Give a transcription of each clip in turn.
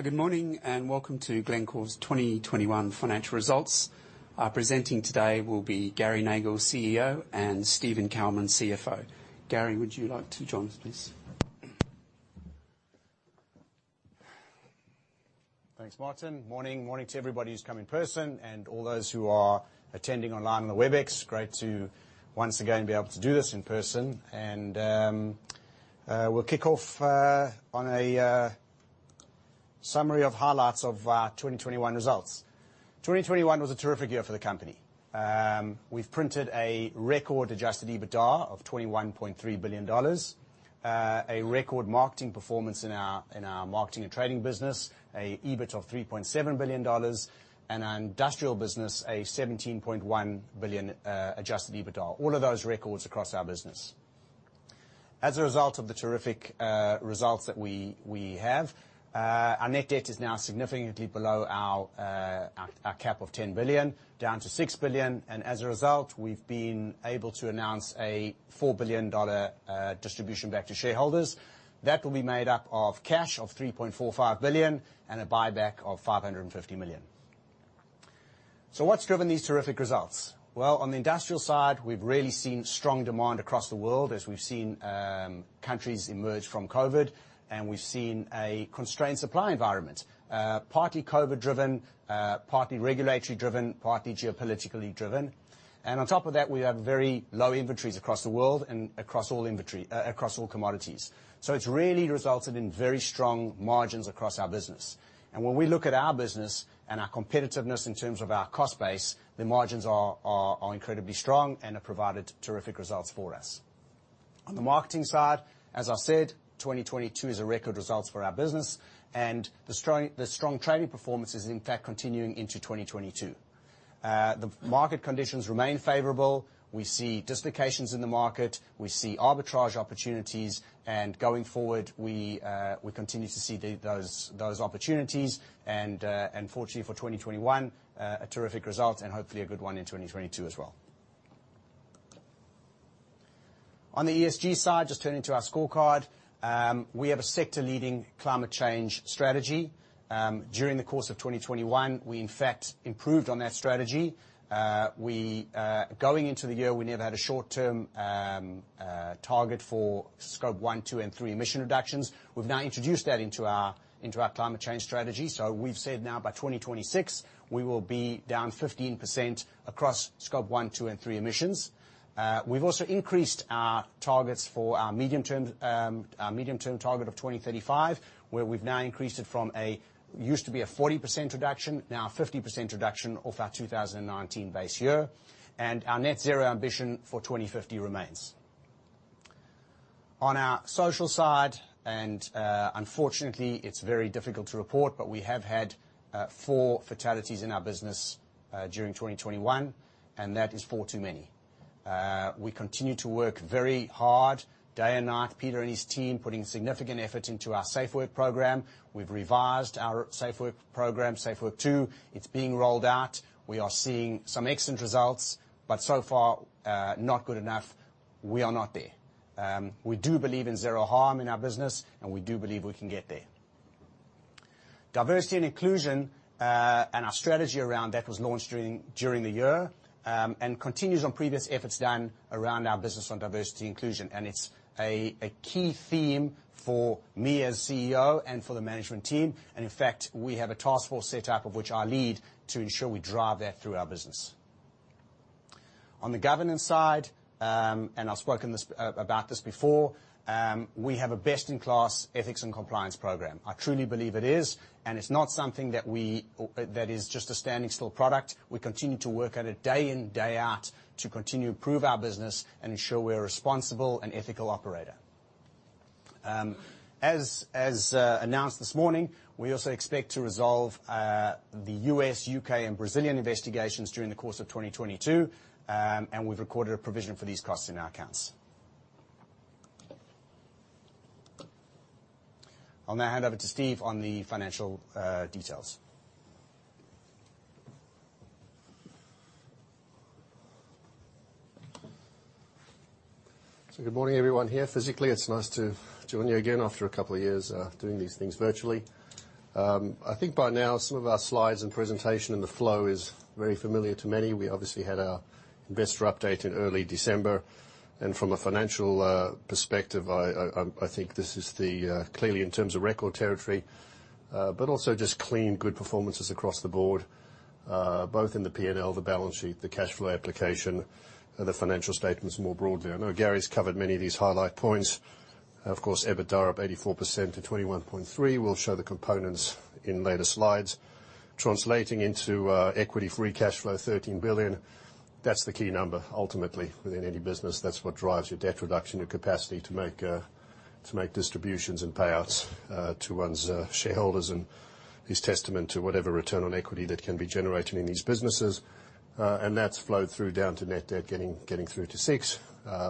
Good morning, and welcome to Glencore's 2021 financial results. Presenting today will be Gary Nagle, CEO, and Steven Kalmin, CFO. Gary, would you like to join us, please? Thanks, Martin. Morning. Morning to everybody who's come in person and all those who are attending online on the Webex. Great to once again be able to do this in person. We'll kick off on a summary of highlights of our 2021 results. 2021 was a terrific year for the company. We've printed a record Adjusted EBITDA of $21.3 billion, a record marketing performance in our marketing and trading business, a EBIT of $3.7 billion, and our industrial business, a $17.1 billion Adjusted EBITDA. All of those records across our business. As a result of the terrific results that we have, our net debt is now significantly below our cap of $10 billion, down to $6 billion, and as a result, we've been able to announce a $4 billion distribution back to shareholders. That will be made up of cash of $3.45 billion and a buyback of $550 million. What's driven these terrific results? Well, on the industrial side, we've really seen strong demand across the world as we've seen countries emerge from COVID, and we've seen a constrained supply environment, partly COVID driven, partly regulatory driven, partly geopolitically driven. On top of that, we have very low inventories across the world and across all commodities. It's really resulted in very strong margins across our business. When we look at our business and our competitiveness in terms of our cost base, the margins are incredibly strong and have provided terrific results for us. On the marketing side, as I said, 2022 is a record results for our business, and the strong trading performance is in fact continuing into 2022. The market conditions remain favorable. We see dislocations in the market. We see arbitrage opportunities. Going forward, we continue to see those opportunities. Fortunately for 2021, a terrific result and hopefully a good one in 2022 as well. On the ESG side, just turning to our scorecard, we have a sector-leading climate change strategy. During the course of 2021, we in fact improved on that strategy. Going into the year, we never had a short-term target for Scope 1, 2, and 3 emission reductions. We've now introduced that into our climate change strategy. We've said now by 2026 we will be down 15% across Scope 1, 2, and 3 emissions. We've also increased our targets for our medium-term target of 2035, where we've now increased it from what used to be a 40% reduction, now a 50% reduction off our 2019 base year. Our net zero ambition for 2050 remains. On our social side, unfortunately it's very difficult to report, but we have had four fatalities in our business during 2021, and that is four too many. We continue to work very hard day and night, Peter and his team putting significant effort into our SafeWork program. We've revised our SafeWork program, SafeWork Two. It's being rolled out. We are seeing some excellent results, but so far, not good enough. We are not there. We do believe in zero harm in our business, and we do believe we can get there. Diversity and inclusion, and our strategy around that was launched during the year, and continues on previous efforts done around our business on diversity and inclusion, and it's a key theme for me as CEO and for the management team. In fact, we have a task force set up of which I lead to ensure we drive that through our business. On the governance side, and I've spoken this about this before, we have a best-in-class ethics and compliance program. I truly believe it is, and it's not something that is just a standing still product. We continue to work at it day in, day out to continue to improve our business and ensure we're a responsible and ethical operator. As announced this morning, we also expect to resolve the U.S., U.K., and Brazilian investigations during the course of 2022, and we've recorded a provision for these costs in our accounts. I'll now hand over to Steve on the financial details. Good morning, everyone here physically. It's nice to join you again after a couple of years doing these things virtually. I think by now some of our slides and presentation and the flow is very familiar to many. We obviously had our investor update in early December, and from a financial perspective, I think this is clearly in terms of record territory, but also just clean good performances across the board, both in the P&L, the balance sheet, the cash flow application, the financial statements more broadly. I know Gary's covered many of these highlight points. Of course, EBITDA up 84% to $21.3 billion. We'll show the components in later slides. Translating into equity-free cash flow, $13 billion. That's the key number ultimately within any business. That's what drives your debt reduction, your capacity to make distributions and payouts to one's shareholders and is testament to whatever return on equity that can be generated in these businesses. That's flowed through down to net debt, getting down to 6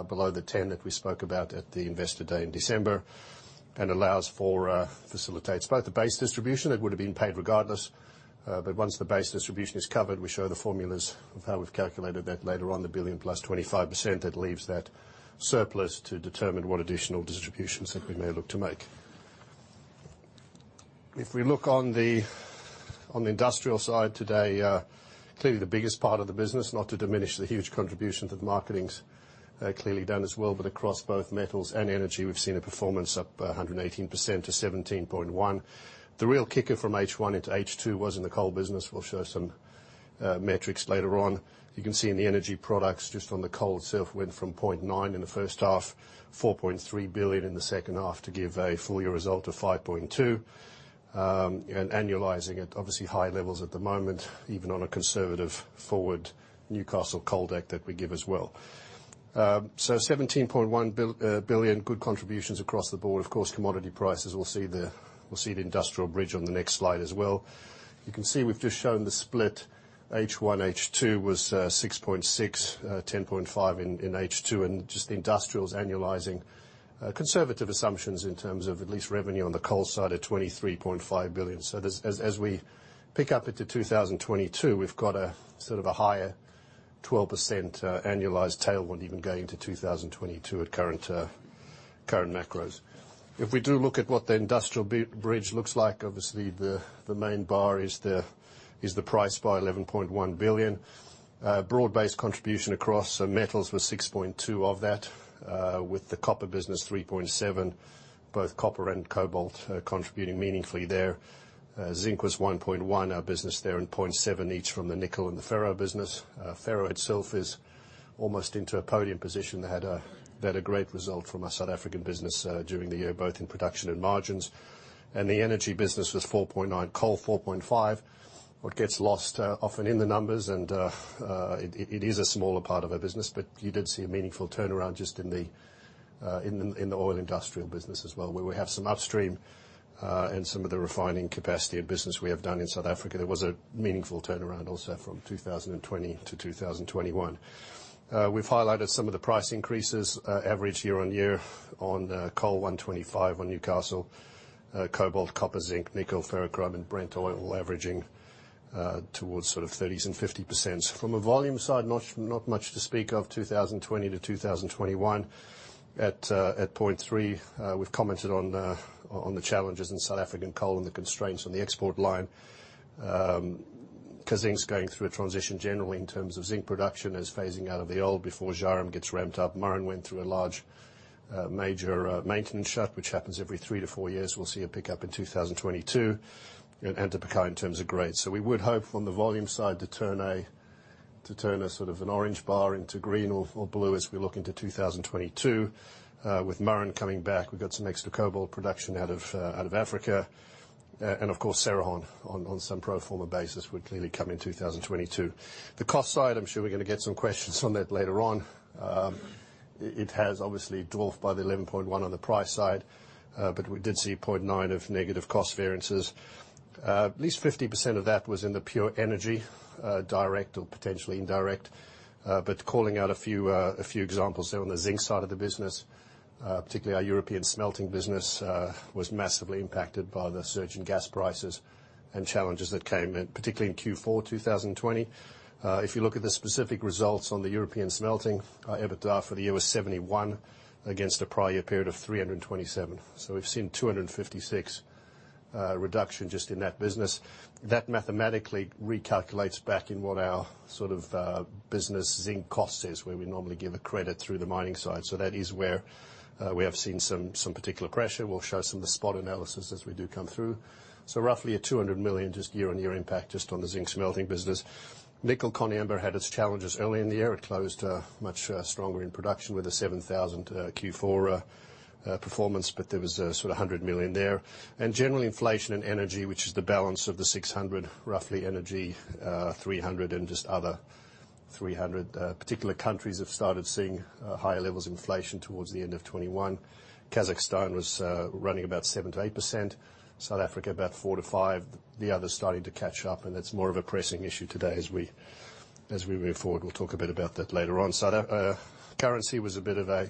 below the 10 that we spoke about at the Investor Day in December, and allows for, facilitates both the base distribution that would have been paid regardless. Once the base distribution is covered, we show the formulas of how we've calculated that later on, the $1 billion plus 25%, that leaves that surplus to determine what additional distributions that we may look to make. If we look on the industrial side today, clearly the biggest part of the business, not to diminish the huge contribution that marketing's clearly done as well, but across both metals and energy, we've seen a performance up 118% to $17.1 billion. The real kicker from H1 into H2 was in the coal business. We'll show some metrics later on. You can see in the energy products, just on the coal itself went from $0.9 billion in the first half, $4.3 billion in the second half, to give a full year result of $5.2 billion. Annualizing it, obviously high levels at the moment, even on a conservative forward Newcastle coal deck that we give as well. So $17.1 billion, good contributions across the board. Of course, commodity prices, we'll see the industrial bridge on the next slide as well. You can see we've just shown the split H1. H2 was 6.6, 10.5 in H2, and just the industrials annualizing, conservative assumptions in terms of at least revenue on the coal side at $23.5 billion. So as we pick up into 2022, we've got sort of a higher 12% annualized tailwind even going into 2022 at current macros. If we do look at what the industrial EBITDA bridge looks like, obviously the main bar is the price by $11.1 billion. Broad-based contribution across metals was $6.2 billion of that, with the copper business $3.7 billion. Both copper and cobalt contributing meaningfully there. Zinc was $1.1 billion, our business there, and $0.7 billion each from the nickel and the ferro business. Ferro itself is almost into a podium position. They had a great result from our South African business during the year, both in production and margins. The energy business was $4.9 billion, coal $4.5 billion. What gets lost often in the numbers and it is a smaller part of our business, but you did see a meaningful turnaround just in the oil industrial business as well, where we have some upstream and some of the refining capacity and business we have done in South Africa. There was a meaningful turnaround also from 2020 to 2021. We've highlighted some of the price increases, average year-on-year on coal, 125 on Newcastle. Cobalt, copper, zinc, nickel, ferrochrome and Brent oil averaging towards sort of 30% and 50%. From a volume side, not much to speak of 2020 to 2021. At point 3, we've commented on the challenges in South African coal and the constraints on the export line. Kazzinc's going through a transition generally in terms of zinc production. It's phasing out of the old before Zhairem gets ramped up. Murrin went through a large major maintenance shut, which happens every 3 to 4 years. We'll see a pickup in 2022 and to pick out in terms of grades. We would hope from the volume side to turn a sort of an orange bar into green or blue as we look into 2022. With Murrin coming back, we've got some extra cobalt production out of Africa. And of course Cerrejón on some pro forma basis would clearly come in 2022. The cost side, I'm sure we're gonna get some questions on that later on. It has obviously dwarfed by the $11.1 on the price side, but we did see $0.9 of negative cost variances. At least 50% of that was in the pure energy, direct or potentially indirect. Calling out a few examples there. On the zinc side of the business, particularly our European smelting business, was massively impacted by the surge in gas prices and challenges that came in, particularly in Q4 2020. If you look at the specific results on the European smelting, our EBITDA for the year was $71 against a prior period of $327. We've seen $256 reduction just in that business. That mathematically recalculates back in what our sort of business zinc cost is, where we normally give a credit through the mining side. That is where we have seen some particular pressure. We'll show some of the spot analysis as we do come through. Roughly a $200 million just year-on-year impact just on the zinc smelting business. Nickel Koniambo had its challenges early in the year. It closed much stronger in production with a 7,000 Q4 performance, but there was a sort of a $100 million there. General inflation in energy, which is the balance of the $600 million roughly energy, $300 million in just other $300 million. Particular countries have started seeing higher levels of inflation towards the end of 2021. Kazakhstan was running about 7%-8%, South Africa about 4%-5%. The others starting to catch up, and that's more of a pressing issue today as we move forward. We'll talk a bit about that later on. That currency was a bit of a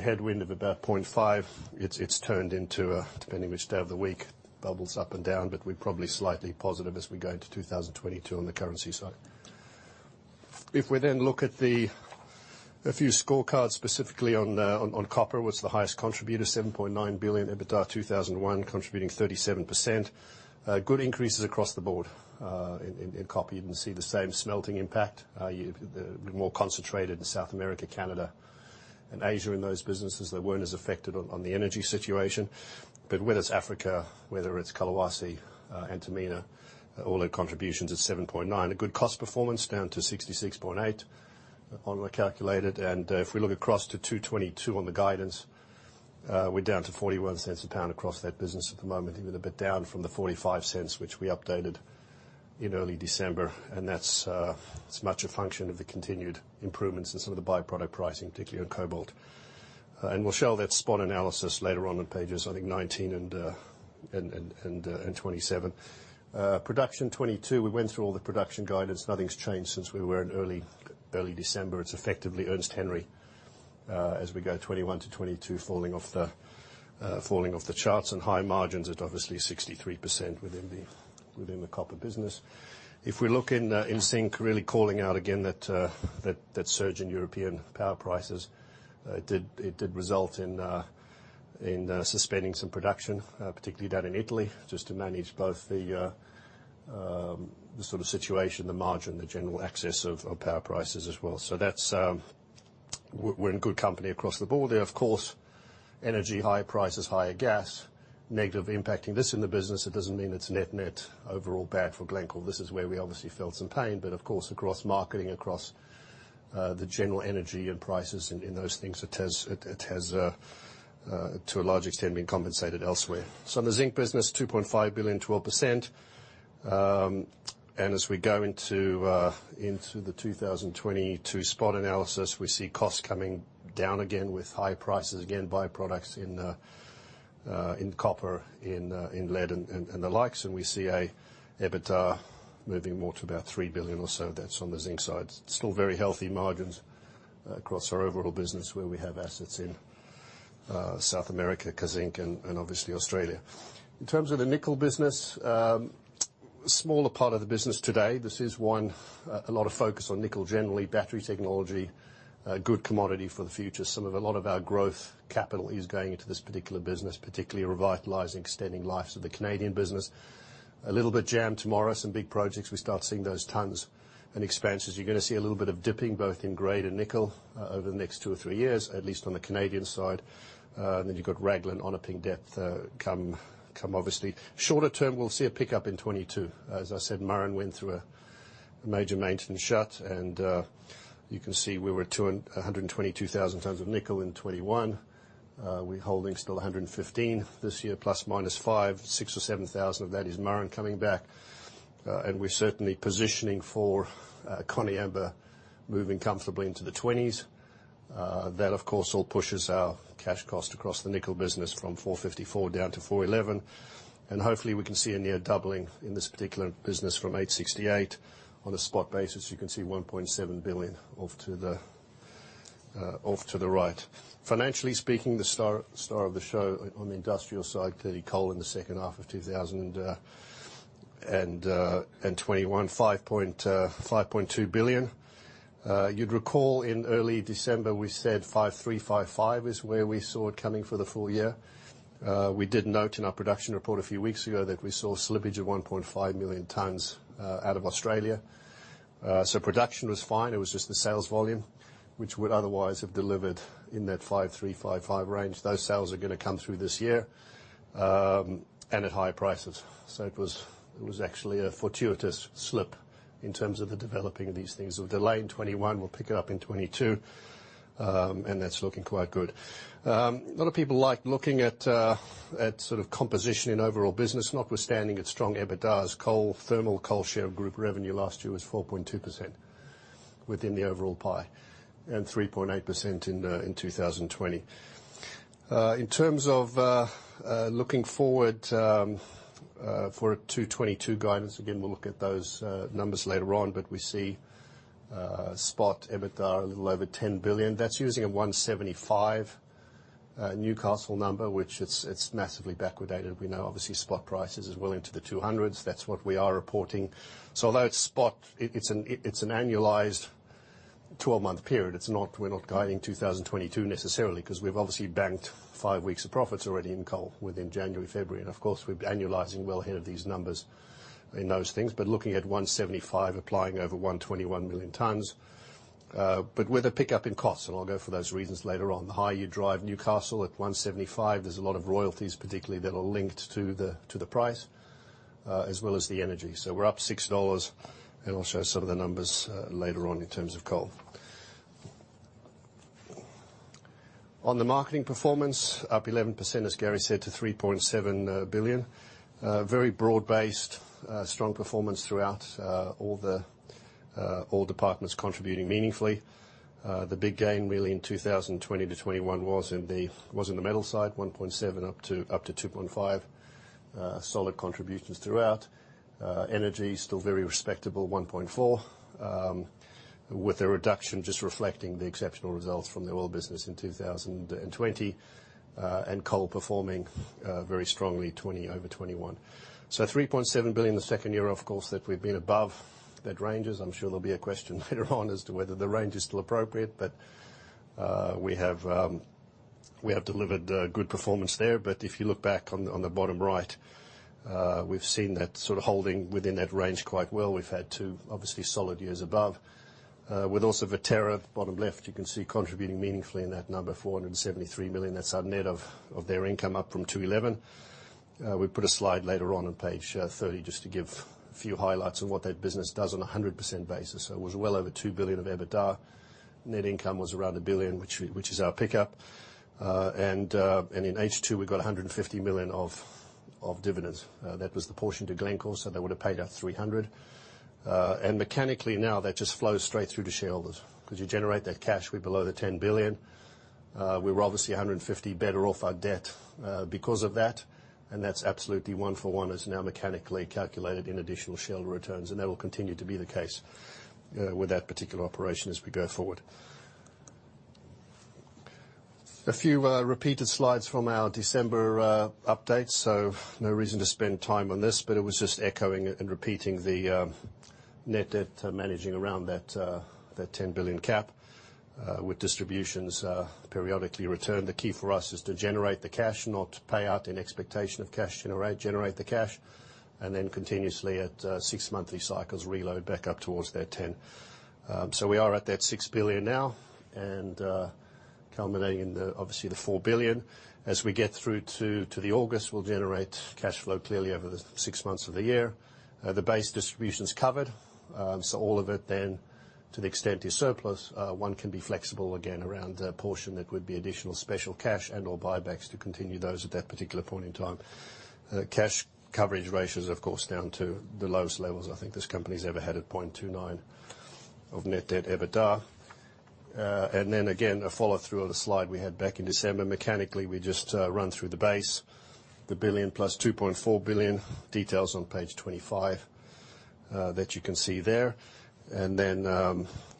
headwind of about 0.5%. It's turned into a, depending on which day of the week, bubbles up and down, but we're probably slightly positive as we go into 2022 on the currency side. If we then look at a few scorecards specifically on copper was the highest contributor, $7.9 billion. EBITDA 2021 contributing 37%. Good increases across the board in copper. You can see the same smelting impact, the more concentrated in South America, Canada and Asia in those businesses that weren't as affected on the energy situation. Whether it's Africa, whether it's Collahuasi, Antamina, all their contributions is 7.9. A good cost performance down to 66.8 on what we calculated. If we look across to 2022 on the guidance, we're down to $0.41 a pound across that business at the moment, even a bit down from the $0.45, which we updated in early December. That's much a function of the continued improvements in some of the by-product pricing, particularly on cobalt. We'll show that spot analysis later on in pages, I think 19 and 27. Production 2022, we went through all the production guidance. Nothing's changed since we were in early December. It's effectively Ernest Henry, as we go 2021 to 2022, falling off the charts and high margins at obviously 63% within the copper business. If we look in zinc, really calling out again that surge in European power prices, it did result in suspending some production, particularly down in Italy, just to manage both the sort of situation, the margin, the general excess of power prices as well. That's, we're in good company across the board there. Of course, energy high prices, higher gas, negatively impacting this in the business. It doesn't mean it's net-net overall bad for Glencore. This is where we obviously felt some pain, but of course, across marketing, across the general energy and prices in those things, it has to a large extent been compensated elsewhere. In the zinc business, $2.5 billion, 12%. As we go into the 2022 spot analysis, we see costs coming down again with higher prices, again, byproducts in copper, in lead and the likes. We see an EBITDA moving more to about $3 billion or so. That's on the zinc side. Still very healthy margins across our overall business where we have assets in South America, Kazzinc, and obviously Australia. In terms of the nickel business, smaller part of the business today. This is one, a lot of focus on nickel generally, battery technology, a good commodity for the future. Some of a lot of our growth capital is going into this particular business, particularly revitalizing, extending life of the Canadian business. A little bit coming tomorrow, some big projects. We start seeing those tons and expansions. You're gonna see a little bit of dipping, both in grade and nickel over the next two or three years, at least on the Canadian side. Then you've got Raglan on a deepening, coming obviously. Shorter term, we'll see a pickup in 2022. As I said, Murrin went through a major maintenance shutdown, and you can see we were 222,000 tons of nickel in 2021. We're holding still 115,000 this year, ±5. 6 or 7 thousand of that is Murrin coming back. We're certainly positioning for Koniambo moving comfortably into the twenties. That of course all pushes our cash cost across the nickel business from $454 down to $411. Hopefully we can see a near doubling in this particular business from $868. On a spot basis, you can see $1.7 billion off to the right. Financially speaking, the star of the show on the industrial side, clearly coal in the second half of 2021, $5.2 billion. You'd recall in early December, we said $5,355 is where we saw it coming for the full year. We did note in our production report a few weeks ago that we saw a slippage of 1.5 million tons out of Australia. Production was fine. It was just the sales volume, which would otherwise have delivered in that 53-55 range. Those sales are gonna come through this year and at higher prices. It was actually a fortuitous slip in terms of the developing of these things. We'll delay in 2021, we'll pick it up in 2022, and that's looking quite good. A lot of people like looking at sort of composition in overall business, notwithstanding its strong EBITDAs. Coal, thermal coal share of group revenue last year was 4.2% within the overall pie, and 3.8% in 2020. In terms of looking forward for 2022 guidance, again, we'll look at those numbers later on. We see spot EBITDA a little over $10 billion. That's using a $175 Newcastle number, which it's massively backwardated. We know obviously spot prices as well into the $200s. That's what we are reporting. So although it's spot, it's an annualized 12-month period. It's not, we're not guiding 2022 necessarily, because we've obviously banked 5 weeks of profits already in coal within January, February. Of course, we'll be annualizing well ahead of these numbers in those things. Looking at $175 applying over 121 million tons, but with a pickup in costs, and I'll go through those reasons later on. The higher you drive Newcastle at 175, there's a lot of royalties particularly that are linked to the price, as well as the energy. We're up $6, and I'll show some of the numbers later on in terms of coal. On the marketing performance, up 11%, as Gary said, to $3.7 billion. Very broad-based, strong performance throughout, all departments contributing meaningfully. The big gain really in 2020 to 2021 was in the metal side, $1.7 up to $2.5. Solid contributions throughout. Energy still very respectable, $1.4, with a reduction just reflecting the exceptional results from the oil business in 2020, and coal performing very strongly, 2021 over 2020. $3.7 billion the second year, of course, that we've been above that range is. I'm sure there'll be a question later on as to whether the range is still appropriate. We have delivered good performance there. If you look back on the bottom right, we've seen that sort of holding within that range quite well. We've had two obviously solid years above. With also Viterra, bottom left, you can see contributing meaningfully in that number, $473 million. That's our net of their income up from $211 million. We put a slide later on page 30 just to give a few highlights on what that business does on a 100% basis. It was well over $2 billion of EBITDA. Net income was around $1 billion, which is our pickup. In H2, we've got $150 million of dividends. That was the portion to Glencore, so they would have paid out $300. Mechanically now, that just flows straight through to shareholders, because you generate that cash, we're below the $10 billion. We're obviously 150 better off on our debt because of that, and that's absolutely one for one now mechanically calculated in additional shareholder returns, and that will continue to be the case with that particular operation as we go forward. A few repeated slides from our December update, so no reason to spend time on this, but it was just echoing and repeating the net debt managing around that $10 billion cap with distributions periodically return. The key for us is to generate the cash, not pay out in expectation of cash generate. Generate the cash, and then continuously at six-monthly cycles, reload back up towards that ten. So we are at that $6 billion now, and culminating in the obviously the $4 billion. As we get through to the August, we'll generate cash flow clearly over the six months of the year. The base distribution's covered. All of it then to the extent is surplus. One can be flexible again around the portion that would be additional special cash and/or buybacks to continue those at that particular point in time. Cash coverage ratios, of course, down to the lowest levels I think this company's ever had at 0.29 of net debt to EBITDA. A follow-through on the slide we had back in December. Mechanically, we just run through the base, the $1 billion plus $2.4 billion, details on page 25, that you can see there.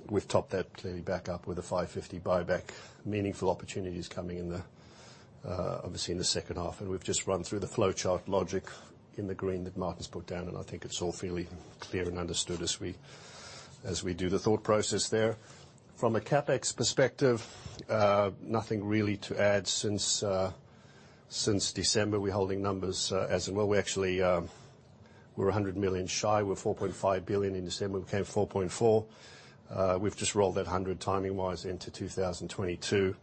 We've topped that clearly back up with a $550 million buyback. Meaningful opportunities coming in the, obviously in the second half. We've just run through the flowchart logic in the green that Martin's put down, and I think it's all fairly clear and understood as we do the thought process there. From a CapEx perspective, nothing really to add since December. We're holding numbers. Well, we actually, we're $100 million shy. We [were] $4.5 billion in December, we came $4.4 billion. We've just rolled that $100 million timing-wise into 2022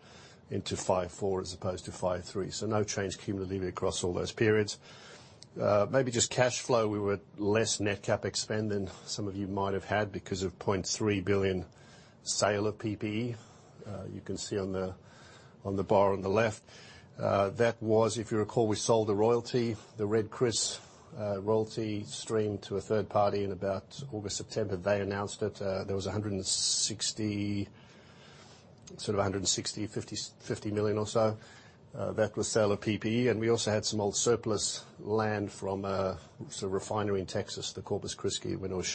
into five four as opposed to five three. So no change cumulatively across all those periods. Maybe just cash flow. We were less net CapEx spend than some of you might have had because of $0.3 billion sale of PPE. You can see on the bar on the left. That was, if you recall, we sold a royalty, the Red Chris royalty stream to a third party in about August, September. They announced it. There was $165 million or so. That was sale of PPE. We also had some old surplus land from sort of refinery in Texas, the Corpus Christi when it was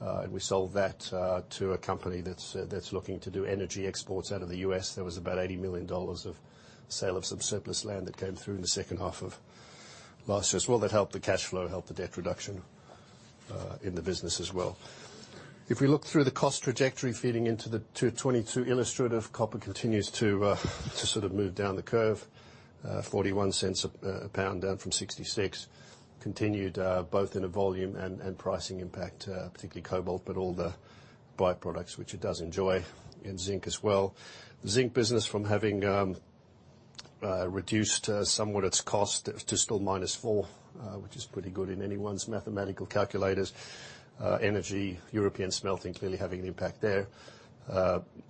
showing. We sold that to a company that's looking to do energy exports out of the U.S. There was about $80 million of sale of some surplus land that came through in the second half of last year as well that helped the cash flow, helped the debt reduction in the business as well. If we look through the cost trajectory feeding into the 2022 illustrative, copper continues to sort of move down the curve. $0.41 a pound down from $0.66. Continued both in a volume and pricing impact, particularly cobalt, but all the byproducts which it does enjoy in zinc as well. The zinc business from having reduced somewhat its cost to still -4, which is pretty good in anyone's mathematical calculations. Energy, European smelting clearly having an impact there.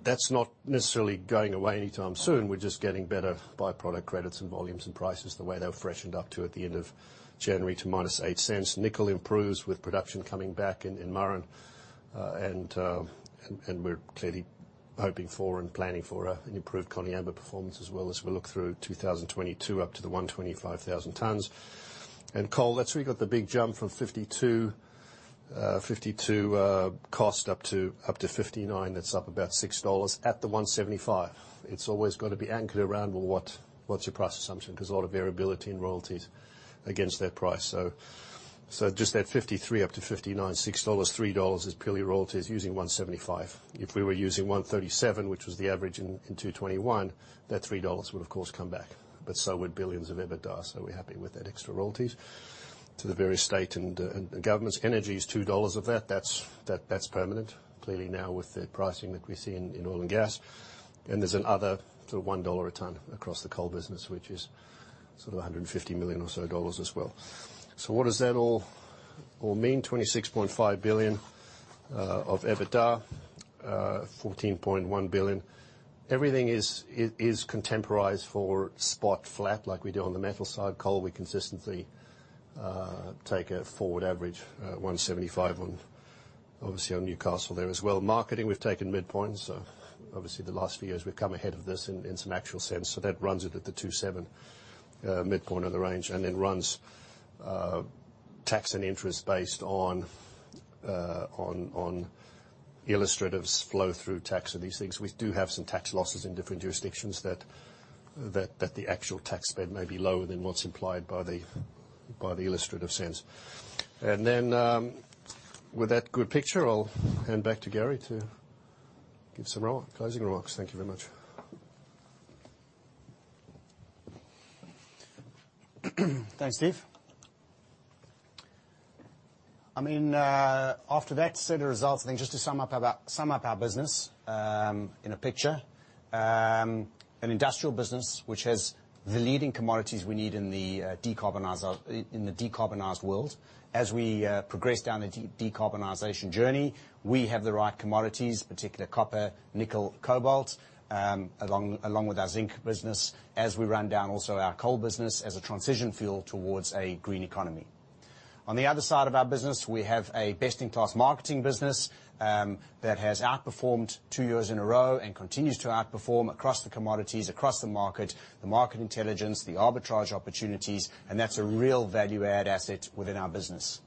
That's not necessarily going away anytime soon. We're just getting better byproduct credits and volumes and prices the way they've freshened up at the end of January to -8 cents. Nickel improves with production coming back in Murrin. We're clearly hoping for and planning for an improved Koniambo performance as well as we look through 2022 up to the 125,000 tons. Coal, that's where you got the big jump from $52 cost up to $59. That's up about $6 at the $175. It's always gotta be anchored around, well, what's your price assumption? 'Cause a lot of variability in royalties against that price. Just that $53 up to $59, $6, $3 is purely royalties using $175. If we were using $137, which was the average in 2021, that $3 would of course come back. So would billions of EBITDA, so we're happy with that extra royalties to the various state and governments. Energy is $2 of that. That's permanent. Clearly now with the pricing that we see in oil and gas. There's another $1 a ton across the coal business, which is sort of $150 million or so as well. What does that all mean? $26.5 billion of EBITDA, $14.1 billion. Everything is contemporized for spot flat like we do on the metal side. Coal, we consistently take a forward average 175 on, obviously on Newcastle there as well. Marketing, we've taken midpoints. Obviously the last few years we've come ahead of this in some actual sense. That runs it at the $2.7 midpoint of the range, and then runs tax and interest based on illustrative flow-through tax and these things. We do have some tax losses in different jurisdictions that the actual tax spend may be lower than what's implied by the illustrative sense. With that good picture, I'll hand back to Gary to give some remark, closing remarks. Thank you very much. Thanks, Steve. I mean, after that set of results, I think just to sum up our business in a picture. An industrial business which has the leading commodities we need in the decarbonized world. As we progress down the decarbonization journey, we have the right commodities, particularly copper, nickel, cobalt, along with our zinc business, as we run down also our coal business as a transition fuel towards a green economy. On the other side of our business, we have a best-in-class marketing business that has outperformed two years in a row and continues to outperform across the commodities, across the market, the market intelligence, the arbitrage opportunities, and that's a real value-add asset within our business.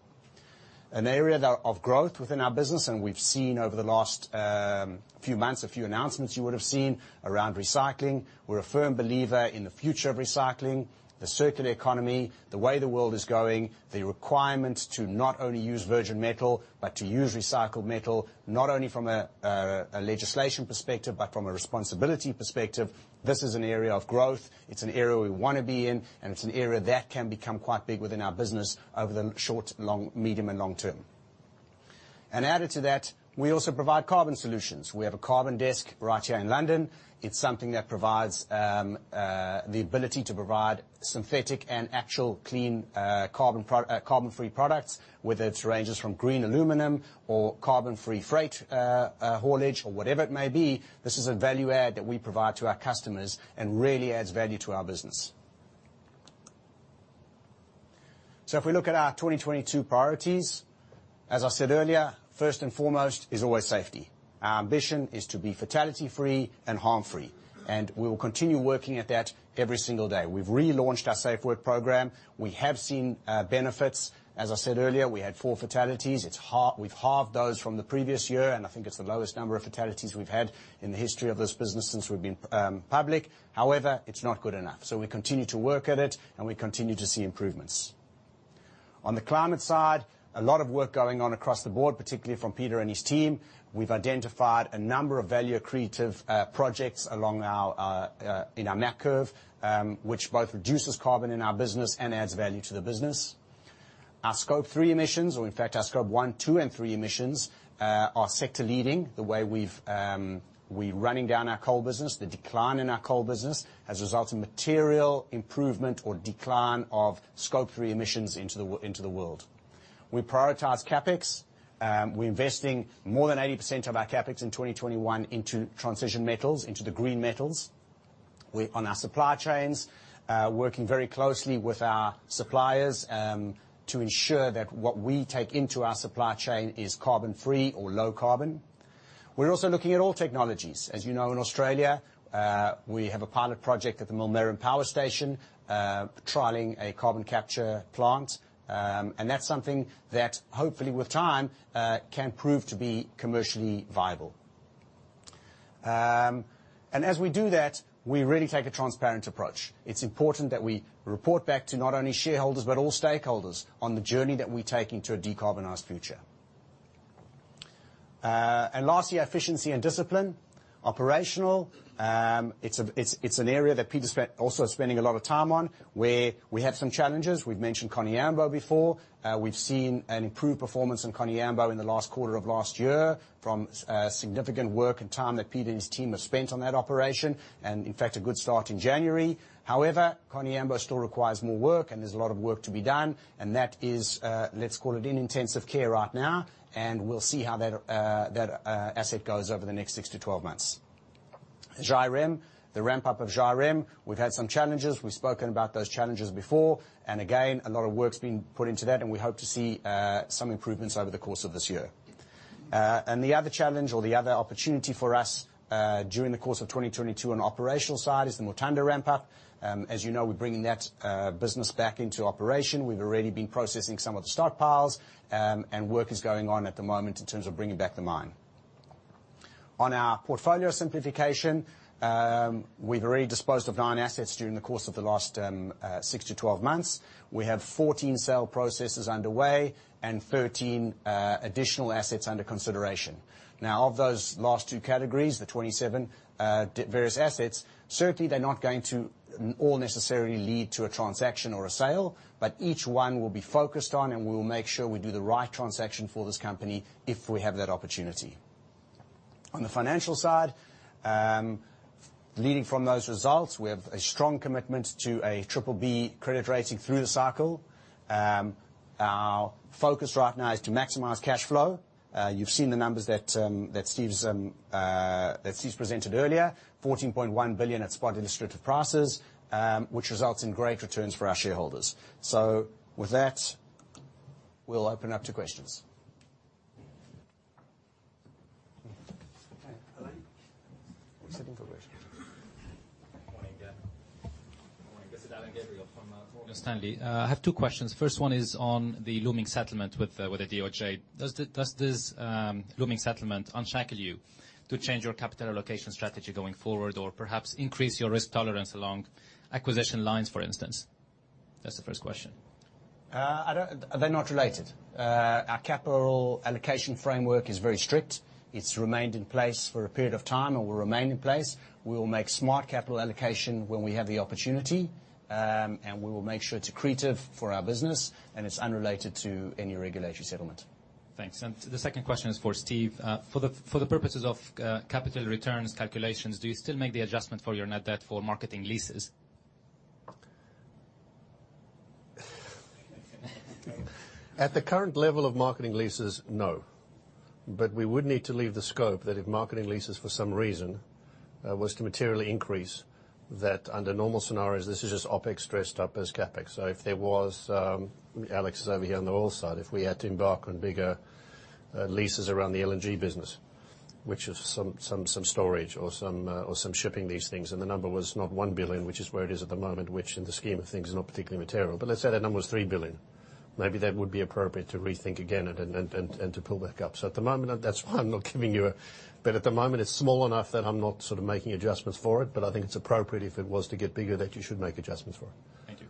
An area of growth within our business, and we've seen over the last few months, a few announcements you would've seen around recycling. We're a firm believer in the future of recycling, the circular economy, the way the world is going, the requirement to not only use virgin metal, but to use recycled metal, not only from a legislation perspective, but from a responsibility perspective. This is an area of growth. It's an area we wanna be in, and it's an area that can become quite big within our business over the short, long, medium and long term. Added to that, we also provide carbon solutions. We have a carbon desk right here in London. It's something that provides the ability to provide synthetic and actual clean carbon-free products, whether it ranges from green aluminum or carbon-free freight, haulage or whatever it may be. This is a value add that we provide to our customers and really adds value to our business. If we look at our 2022 priorities, as I said earlier, first and foremost is always safety. Our ambition is to be fatality-free and harm-free, and we will continue working at that every single day. We've relaunched our SafeWork program. We have seen benefits. As I said earlier, we had 4 fatalities. We've halved those from the previous year, and I think it's the lowest number of fatalities we've had in the history of this business since we've been public. However, it's not good enough. We continue to work at it and we continue to see improvements. On the climate side, a lot of work going on across the board, particularly from Peter and his team. We've identified a number of value-accretive projects along our macro curve, which both reduces carbon in our business and adds value to the business. Our Scope 3 emissions, or in fact our Scope 1, 2 and 3 emissions, are sector leading, the way we're running down our coal business. The decline in our coal business has resulted in material improvement or decline of Scope 3 emissions into the world. We prioritize CapEx. We're investing more than 80% of our CapEx in 2021 into transition metals, into the green metals. We're working on our supply chains, working very closely with our suppliers, to ensure that what we take into our supply chain is carbon free or low carbon. We're also looking at all technologies. As you know, in Australia, we have a pilot project at the Millmerran Power Station, trialing a carbon capture plant. That's something that hopefully with time can prove to be commercially viable. As we do that, we really take a transparent approach. It's important that we report back to not only shareholders, but all stakeholders on the journey that we take into a decarbonized future. Lastly, efficiency and discipline. Operational, it's an area that Peter also is spending a lot of time on, where we had some challenges. We've mentioned Koniambo before. We've seen an improved performance in Koniambo in the last quarter of last year from significant work and time that Peter and his team have spent on that operation, and in fact, a good start in January. However, Koniambo still requires more work, and there's a lot of work to be done, and that is, let's call it in intensive care right now, and we'll see how that asset goes over the next 6-12 months. Zhairem, the ramp-up of Zhairem, we've had some challenges. We've spoken about those challenges before, and again, a lot of work's been put into that, and we hope to see some improvements over the course of this year. The other challenge or the other opportunity for us during the course of 2022 on operational side is the Mutanda ramp up. As you know, we're bringing that business back into operation. We've already been processing some of the stockpiles, and work is going on at the moment in terms of bringing back the mine. On our portfolio simplification, we've already disposed of 9 assets during the course of the last 6-12 months. We have 14 sale processes underway and 13 additional assets under consideration. Now, of those last two categories, the 27 various assets, certainly they're not going to all necessarily lead to a transaction or a sale, but each one will be focused on, and we will make sure we do the right transaction for this company if we have that opportunity. On the financial side, leading from those results, we have a strong commitment to a BBB credit rating through the cycle. Our focus right now is to maximize cash flow. You've seen the numbers that Steven's presented earlier, $14.1 billion at spot illustrative prices, which results in great returns for our shareholders. With that, we'll open up to questions. Hi. Who's sending the question? Morning, Dan. Morning. This is Alain Gabriel from Morgan Stanley. I have two questions. First one is on the looming settlement with the DOJ. Does this looming settlement unshackle you to change your capital allocation strategy going forward or perhaps increase your risk tolerance along acquisition lines, for instance? That's the first question. They're not related. Our capital allocation framework is very strict. It's remained in place for a period of time and will remain in place. We will make smart capital allocation when we have the opportunity, and we will make sure it's accretive for our business and it's unrelated to any regulatory settlement. Thanks. The second question is for Steve. For the purposes of capital returns calculations, do you still make the adjustment for your net debt for marketing leases? At the current level of marketing leases, no. We would need to leave the scope that if marketing leases for some reason was to materially increase that under normal scenarios, this is just OpEx dressed up as CapEx. If there was, Alex is over here on the oil side, if we had to embark on bigger leases around the LNG business. Which is some storage or some shipping these things, and the number was not $1 billion, which is where it is at the moment, which in the scheme of things is not particularly material. Let's say that number was $3 billion. Maybe that would be appropriate to rethink again and to pull back up. At the moment, that's why I'm not giving you. At the moment, it's small enough that I'm not sort of making adjustments for it. I think it's appropriate if it was to get bigger that you should make adjustments for it. Thank you.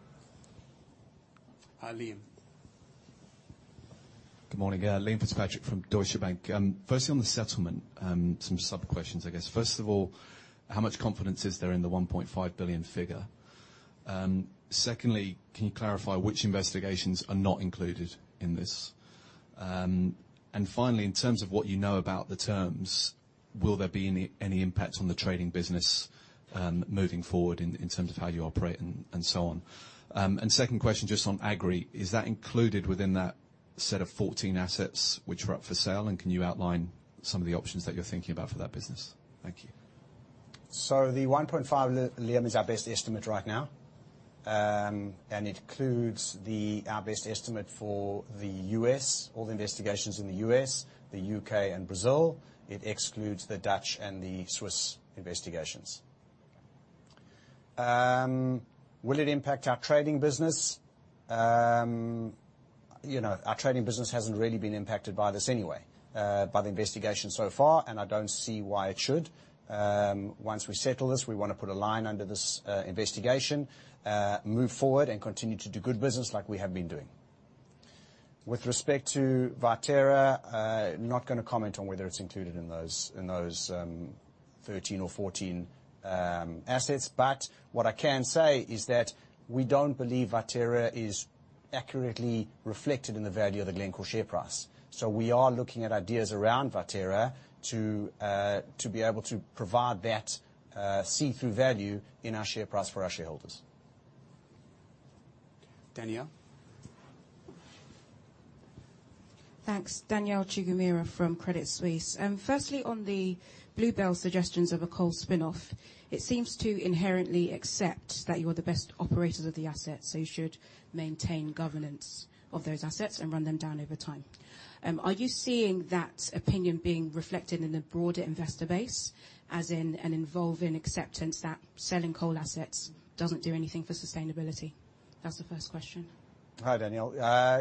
Liam. Good morning. Liam Fitzpatrick from Deutsche Bank. Firstly, on the settlement, some sub-questions, I guess. First of all, how much confidence is there in the $1.5 billion figure? Secondly, can you clarify which investigations are not included in this? And finally, in terms of what you know about the terms, will there be any impact on the trading business moving forward in terms of how you operate and so on? And second question, just on agri, is that included within that set of 14 assets which are up for sale, and can you outline some of the options that you're thinking about for that business? Thank you. The $1.5 billion, Liam, is our best estimate right now. It includes our best estimate for the U.S., all the investigations in the U.S., the U.K. and Brazil. It excludes the Dutch and the Swiss investigations. Will it impact our trading business? You know, our trading business hasn't really been impacted by this anyway, by the investigation so far, and I don't see why it should. Once we settle this, we wanna put a line under this investigation, move forward and continue to do good business like we have been doing. With respect to Viterra, not gonna comment on whether it's included in those 13 or 14 assets. But what I can say is that we don't believe Viterra is accurately reflected in the value of the Glencore share price. We are looking at ideas around Viterra to be able to provide that see-through value in our share price for our shareholders. Danielle. Thanks. Danielle Chigumira from Credit Suisse. Firstly, on the Bluebell suggestions of a coal spinoff, it seems to inherently accept that you're the best operators of the asset, so you should maintain governance of those assets and run them down over time. Are you seeing that opinion being reflected in the broader investor base, as in an evolving acceptance that selling coal assets doesn't do anything for sustainability? That's the first question. Hi, Danielle.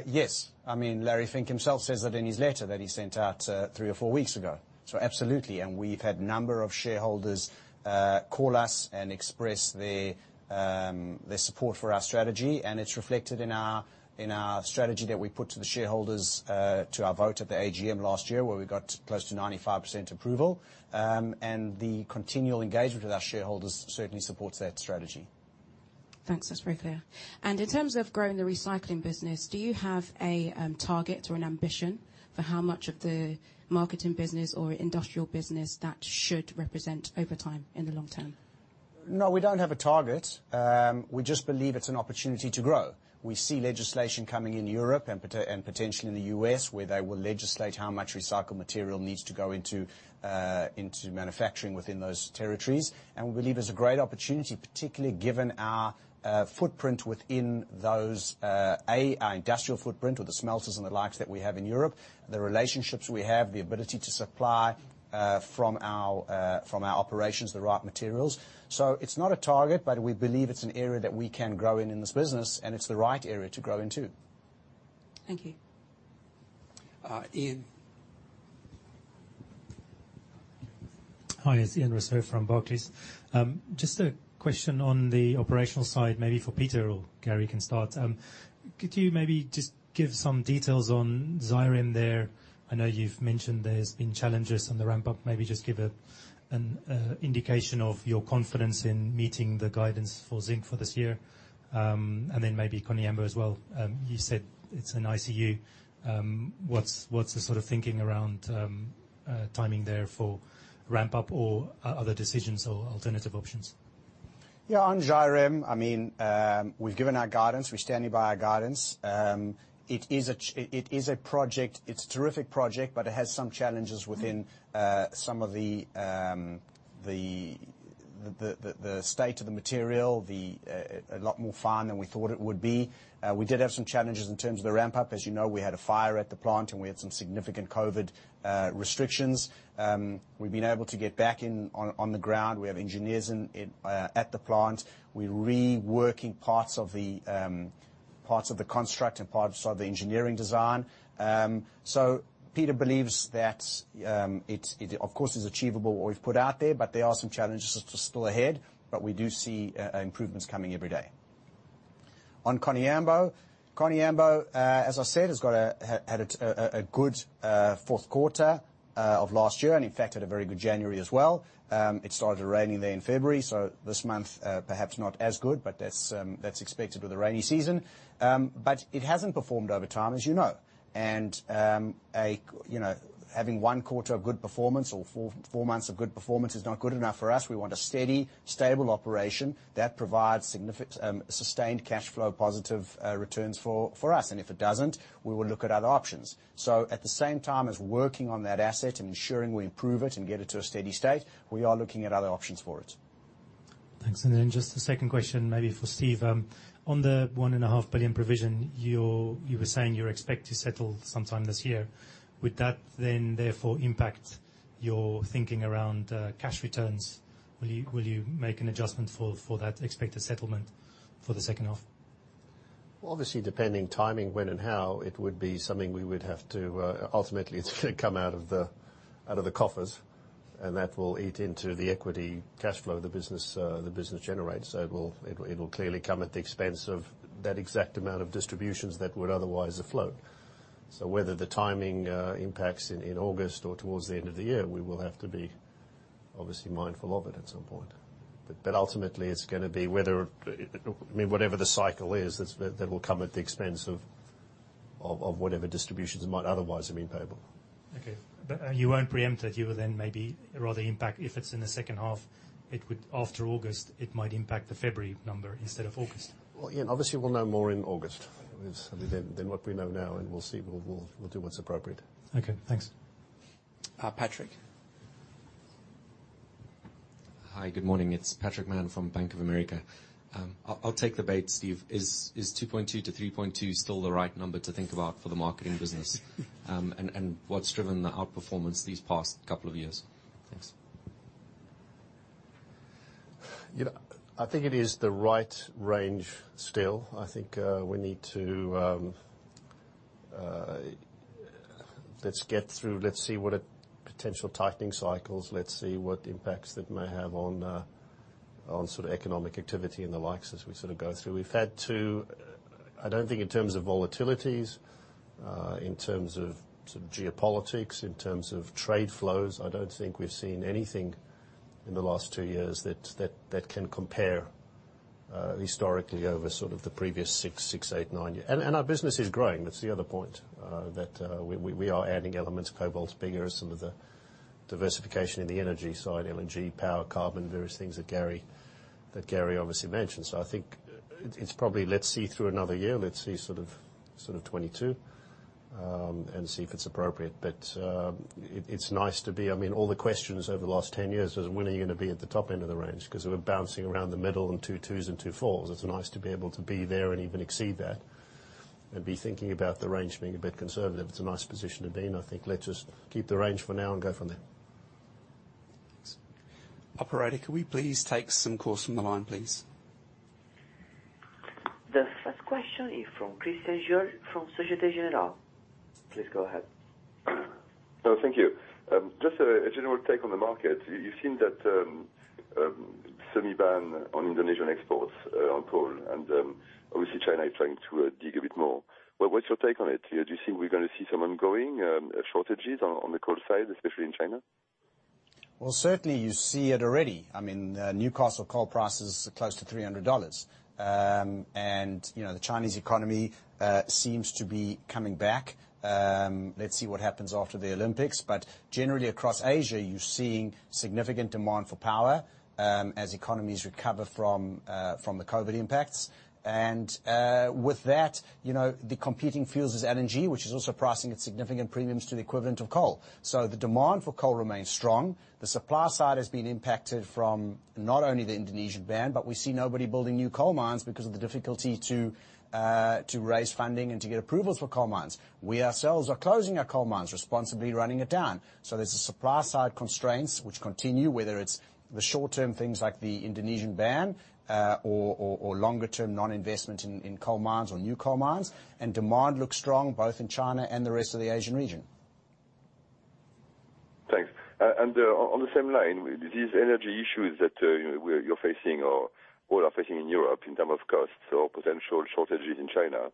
Yes. I mean, Larry Fink himself says that in his letter that he sent out, three or four weeks ago. Absolutely. We've had a number of shareholders call us and express their support for our strategy, and it's reflected in our strategy that we put to the shareholders to our vote at the AGM last year, where we got close to 95% approval. The continual engagement with our shareholders certainly supports that strategy. Thanks. That's very clear. In terms of growing the recycling business, do you have a target or an ambition for how much of the marketing business or industrial business that should represent over time in the long term? No, we don't have a target. We just believe it's an opportunity to grow. We see legislation coming in Europe and potentially in the US where they will legislate how much recycled material needs to go into manufacturing within those territories. We believe it's a great opportunity, particularly given our footprint within those, our industrial footprint or the smelters and the likes that we have in Europe, the relationships we have, the ability to supply from our operations, the right materials. It's not a target, but we believe it's an area that we can grow in this business, and it's the right area to grow into. Thank you. Ian. Hi, it's Ian Rossouw from Barclays. Just a question on the operational side, maybe for Peter or Gary to start. Could you maybe just give some details on Zhairem there? I know you've mentioned there's been challenges on the ramp-up. Maybe just give an indication of your confidence in meeting the guidance for zinc for this year. And then maybe Koniambo as well. You said it's in ICU. What's the sort of thinking around timing there for ramp-up or other decisions or alternative options? Yeah, on Zhairem, I mean, we've given our guidance. We're standing by our guidance. It is a project, it's a terrific project, but it has some challenges within some of the state of the material, a lot more finer than we thought it would be. We did have some challenges in terms of the ramp-up. As you know, we had a fire at the plant, and we had some significant COVID restrictions. We've been able to get back on the ground. We have engineers at the plant. We're reworking parts of the construction and parts of the engineering design. Peter believes that it of course is achievable what we've put out there, but there are some challenges still ahead, but we do see improvements coming every day. On Koniambo, as I said, has had a good fourth quarter of last year and in fact had a very good January as well. It started raining there in February, so this month perhaps not as good, but that's expected with the rainy season. It hasn't performed over time, as you know. You know, having one quarter of good performance or four months of good performance is not good enough for us. We want a steady, stable operation that provides significant sustained cash flow, positive returns for us. If it doesn't, we will look at other options. At the same time as working on that asset and ensuring we improve it and get it to a steady state, we are looking at other options for it. Thanks. Just a second question maybe for Steve. On the $1.5 billion provision, you were saying you expect to settle sometime this year. Would that then therefore impact your thinking around cash returns? Will you make an adjustment for that expected settlement for the second half? Well, obviously depending on timing when and how, it would be something we would have to ultimately it's gonna come out of the coffers, and that will eat into the equity cash flow the business generates. It will clearly come at the expense of that exact amount of distributions that would otherwise afloat. Whether the timing impacts in August or towards the end of the year, we will have to be obviously mindful of it at some point. But ultimately, it's gonna be, I mean, whatever the cycle is, that will come at the expense of whatever distributions might otherwise have been payable. Okay. You won't preempt it, you will then maybe rather impact if it's in the second half, it would, after August, it might impact the February number instead of August. Well, you know, obviously we'll know more in August. I mean, than what we know now, and we'll see. We'll do what's appropriate. Okay, thanks. Patrick. Hi, good morning. It's Patrick Mann from Bank of America. I'll take the bait, Steve. Is 2.2-3.2 still the right number to think about for the marketing business? What's driven the outperformance these past couple of years? Thanks. You know, I think it is the right range still. I think we need to get through. Let's see what a potential tightening cycle is. Let's see what impacts that may have on sort of economic activity and the like as we sort of go through. I don't think, in terms of volatilities, in terms of sort of geopolitics, in terms of trade flows, we've seen anything in the last 2 years that can compare historically over sort of the previous 6, 8, 9 years. Our business is growing, that's the other point. That we are adding elements. Cobalt's bigger as some of the diversification in the energy side, LNG, power, carbon, various things that Gary obviously mentioned. I think it's probably let's see through another year, see sort of 2022, and see if it's appropriate. It's nice to be, I mean, all the questions over the last 10 years is when are you gonna be at the top end of the range? 'Cause we're bouncing around the middle in 2s and 2.4s. It's nice to be able to be there and even exceed that and be thinking about the range being a bit conservative. It's a nice position to be in. I think let's just keep the range for now and go from there. Thanks. Operator, can we please take some calls from the line, please? The first question is from Christian Jour from Société Générale. Please go ahead. Oh, thank you. Just a general take on the market. You've seen that semi-ban on Indonesian exports on coal, and obviously China is trying to dig a bit more. What's your take on it? Do you think we're gonna see some ongoing shortages on the coal side, especially in China? Well, certainly you see it already. I mean, Newcastle coal prices are close to $300. You know, the Chinese economy seems to be coming back. Let's see what happens after the Olympics. Generally across Asia, you're seeing significant demand for power, as economies recover from the COVID impacts. With that, you know, the competing fuels is LNG, which is also pricing at significant premiums to the equivalent of coal. The demand for coal remains strong. The supply side has been impacted from not only the Indonesian ban, but we see nobody building new coal mines because of the difficulty to raise funding and to get approvals for coal mines. We ourselves are closing our coal mines, responsibly running it down. There's the supply side constraints which continue, whether it's the short-term things like the Indonesian ban, or longer-term non-investment in coal mines or new coal mines. Demand looks strong both in China and the rest of the Asian region. Thanks. On the same line, these energy issues that you're facing or all are facing in Europe in terms of costs or potential shortages in China,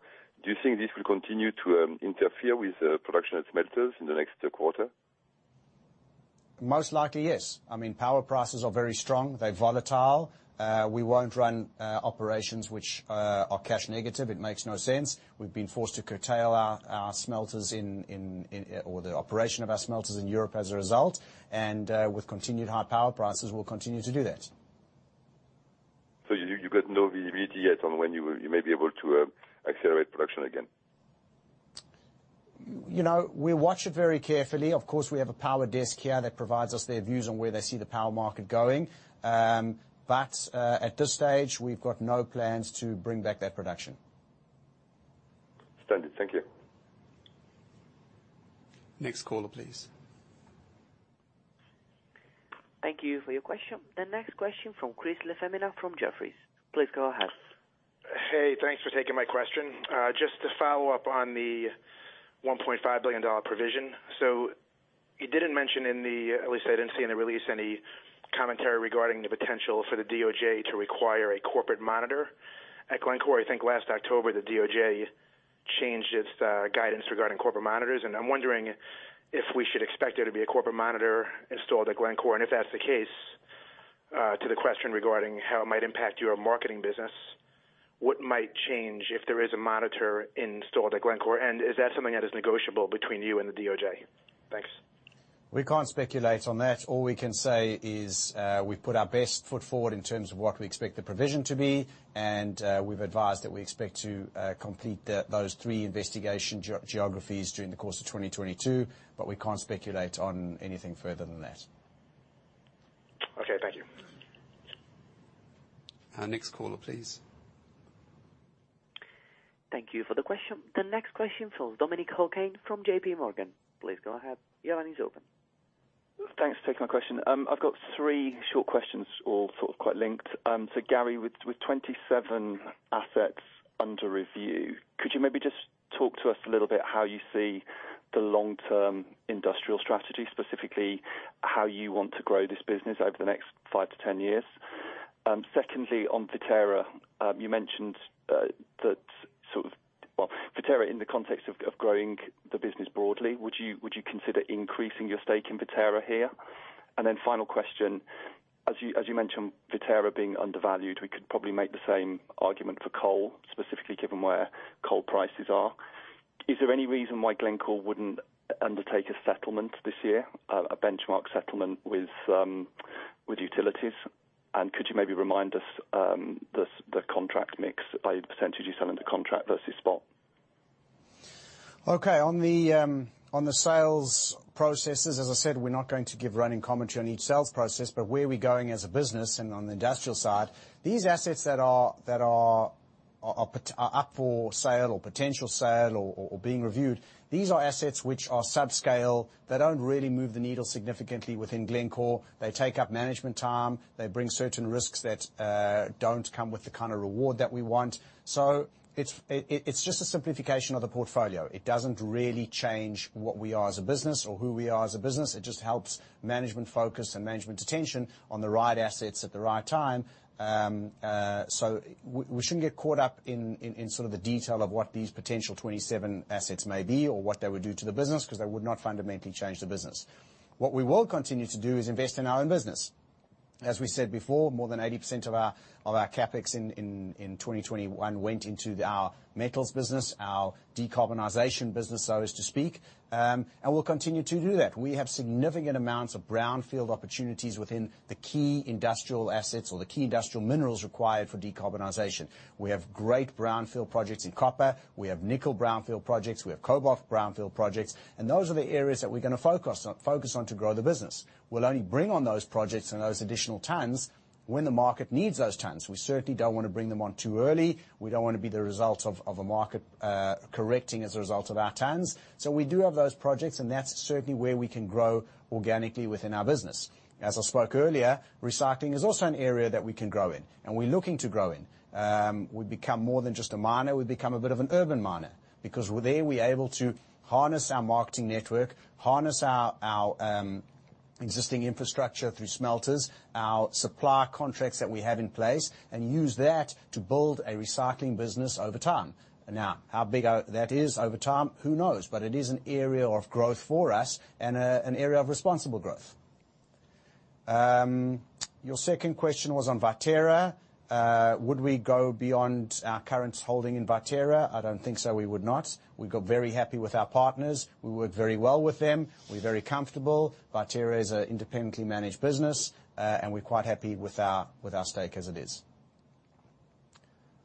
do you think this will continue to interfere with production at smelters in the next quarter? Most likely, yes. I mean, power prices are very strong. They're volatile. We won't run operations which are cash negative. It makes no sense. We've been forced to curtail our smelters in Europe or the operation of our smelters in Europe as a result. With continued high power prices, we'll continue to do that. You've got no visibility yet on when you may be able to accelerate production again? You know, we watch it very carefully. Of course, we have a power desk here that provides us their views on where they see the power market going. At this stage, we've got no plans to bring back that production. Understood. Thank you. Next caller, please. Thank you for your question. The next question from Christopher LaFemina from Jefferies. Please go ahead. Hey, thanks for taking my question. Just to follow up on the $1.5 billion provision. So you didn't mention in the, at least I didn't see in the release any commentary regarding the potential for the DOJ to require a corporate monitor at Glencore. I think last October, the DOJ changed its guidance regarding corporate monitors, and I'm wondering if we should expect there to be a corporate monitor installed at Glencore. If that's the case, to the question regarding how it might impact your marketing business, what might change if there is a monitor installed at Glencore? Is that something that is negotiable between you and the DOJ? Thanks. We can't speculate on that. All we can say is, we've put our best foot forward in terms of what we expect the provision to be, and we've advised that we expect to complete those three investigation geographies during the course of 2022. We can't speculate on anything further than that. Okay, thank you. Next caller, please. Thank you for the question. The next question from Dominic O'Kane from JPMorgan. Please go ahead. Your line is open. Thanks for taking my question. I've got three short questions all sort of quite linked. Gary, with 27 assets under review, could you maybe just talk to us a little bit how you see the long-term industrial strategy, specifically how you want to grow this business over the next 5 to 10 years? Secondly, on Viterra, you mentioned Viterra in the context of growing the business broadly. Would you consider increasing your stake in Viterra here? And then final question, as you mentioned Viterra being undervalued, we could probably make the same argument for coal, specifically given where coal prices are. Is there any reason why Glencore wouldn't undertake a settlement this year, a benchmark settlement with utilities? Could you maybe remind us of the contract mix by % you sell in the contract versus spot? Okay. On the sales processes, as I said, we're not going to give running commentary on each sales process, but where we're going as a business and on the industrial side, these assets that are up for sale or potential sale or being reviewed, these are assets which are subscale. They don't really move the needle significantly within Glencore. They take up management time. They bring certain risks that don't come with the kind of reward that we want. It's just a simplification of the portfolio. It doesn't really change what we are as a business or who we are as a business. It just helps management focus and management attention on the right assets at the right time. We shouldn't get caught up in sort of the detail of what these potential 27 assets may be or what they would do to the business, because they would not fundamentally change the business. What we will continue to do is invest in our own business. As we said before, more than 80% of our CapEx in 2021 went into our metals business, our decarbonization business, so as to speak, and we'll continue to do that. We have significant amounts of brownfield opportunities within the key industrial assets or the key industrial minerals required for decarbonization. We have great brownfield projects in copper. We have nickel brownfield projects. We have cobalt brownfield projects, and those are the areas that we're gonna focus on to grow the business. We'll only bring on those projects and those additional tons when the market needs those tons. We certainly don't wanna bring them on too early. We don't wanna be the result of a market correcting as a result of our tons. We do have those projects, and that's certainly where we can grow organically within our business. As I spoke earlier, recycling is also an area that we can grow in, and we're looking to grow in. We've become more than just a miner. We've become a bit of an urban miner. Because there we're able to harness our marketing network, harness our existing infrastructure through smelters, our supply contracts that we have in place, and use that to build a recycling business over time. Now, how big that is over time, who knows? It is an area of growth for us and an area of responsible growth. Your second question was on Viterra. Would we go beyond our current holding in Viterra? I don't think so. We would not. We got very happy with our partners. We work very well with them. We're very comfortable. Viterra is an independently managed business, and we're quite happy with our stake as it is.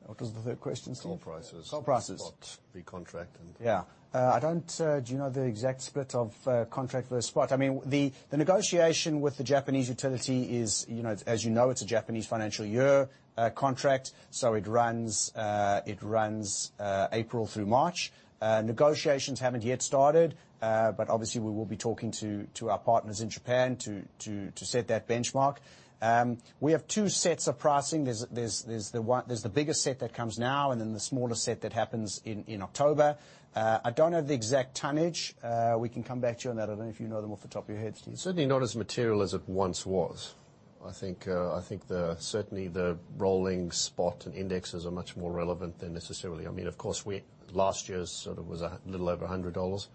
What was the third question, Steve? Coal prices. Coal prices. Spot recontract and I don't. Do you know the exact split of contract versus spot? I mean, the negotiation with the Japanese utility is, you know, as you know, it's a Japanese financial year contract, so it runs April through March. Negotiations haven't yet started, but obviously we will be talking to our partners in Japan to set that benchmark. We have two sets of pricing. There's the bigger set that comes now and then the smaller set that happens in October. I don't know the exact tonnage. We can come back to you on that. I don't know if you know them off the top of your head. Certainly not as material as it once was. I think the certainly the rolling spot and indexes are much more relevant than necessarily. I mean, last year's sort of was a little over $100.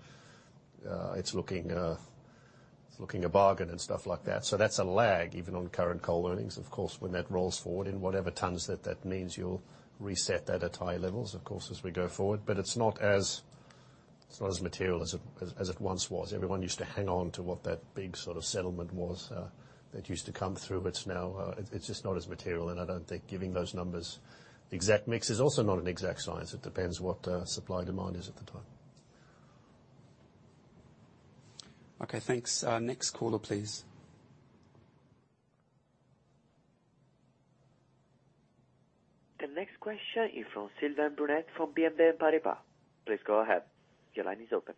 It's looking a bargain and stuff like that. That's a lag even on current coal earnings. Of course, when that rolls forward in whatever tons that means, you'll reset that at high levels of course as we go forward. It's not as material as it once was. Everyone used to hang on to what that big sort of settlement was that used to come through, but now it's just not as material, and I don't think giving those numbers exact mix is also not an exact science. It depends what supply and demand is at the time. Okay, thanks. Next caller, please. The next question is from Sylvain Brunet, from BNP Paribas. Please go ahead. Your line is open.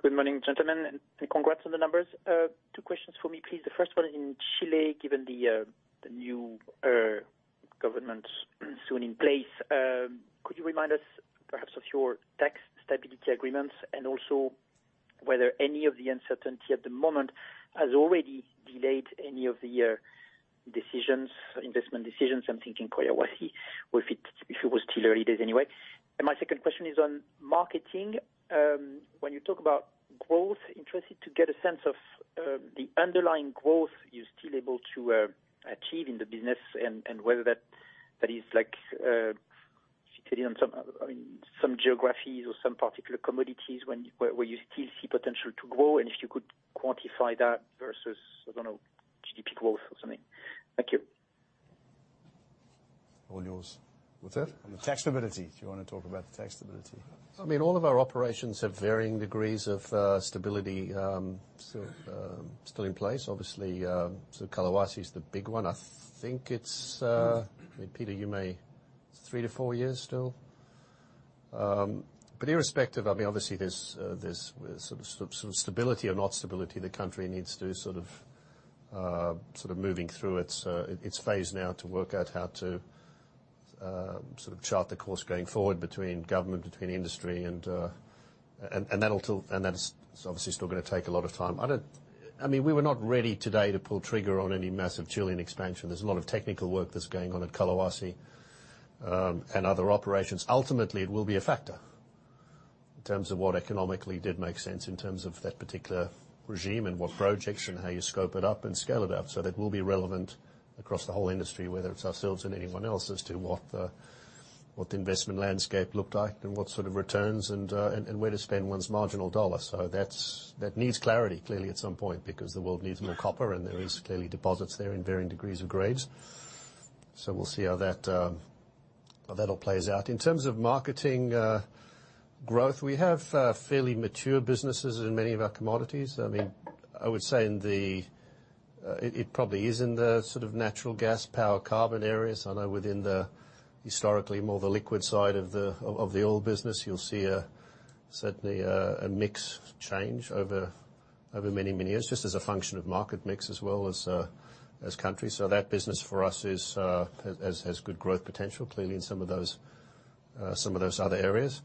Good morning, gentlemen, and congrats on the numbers. Two questions for me, please. The first one in Chile, given the new government soon in place, could you remind us perhaps of your tax stability agreements and also whether any of the uncertainty at the moment has already delayed any of the decisions, investment decisions, I'm thinking Collahuasi or if it was still early days anyway. My second question is on marketing. When you talk about growth, I'm interested to get a sense of the underlying growth you're still able to achieve in the business and whether that is like situated on some, I mean, some geographies or some particular commodities where you still see potential to grow, and if you could quantify that versus, I don't know, GDP growth or something. Thank you. All yours. What's that? On the tax stability. Do you wanna talk about the tax stability? I mean, all of our operations have varying degrees of stability still in place. Obviously, Collahuasi is the big one. I think it's, I mean, Peter, you may... 3-4 years still? Irrespective, I mean, obviously, there's sort of stability or not stability the country needs to sort of moving through its phase now to work out how to sort of chart the course going forward between government and industry, and that'll still and that is obviously still gonna take a lot of time. I mean, we were not ready today to pull trigger on any massive Chilean expansion. There's a lot of technical work that's going on at Collahuasi and other operations. Ultimately, it will be a factor in terms of what economically did make sense in terms of that particular regime and what projects and how you scope it up and scale it up. That will be relevant across the whole industry, whether it's ourselves and anyone else as to what the investment landscape looked like and what sort of returns and where to spend one's marginal dollar. That needs clarity, clearly, at some point, because the world needs more copper, and there is clearly deposits there in varying degrees of grades. We'll see how that all plays out. In terms of marketing growth, we have fairly mature businesses in many of our commodities. I mean, I would say in the natural gas, power, carbon areas. I know within the historically more liquid side of the oil business, you'll see certainly a mix change over many years, just as a function of market mix as well as countries. That business for us has good growth potential, clearly in some of those other areas.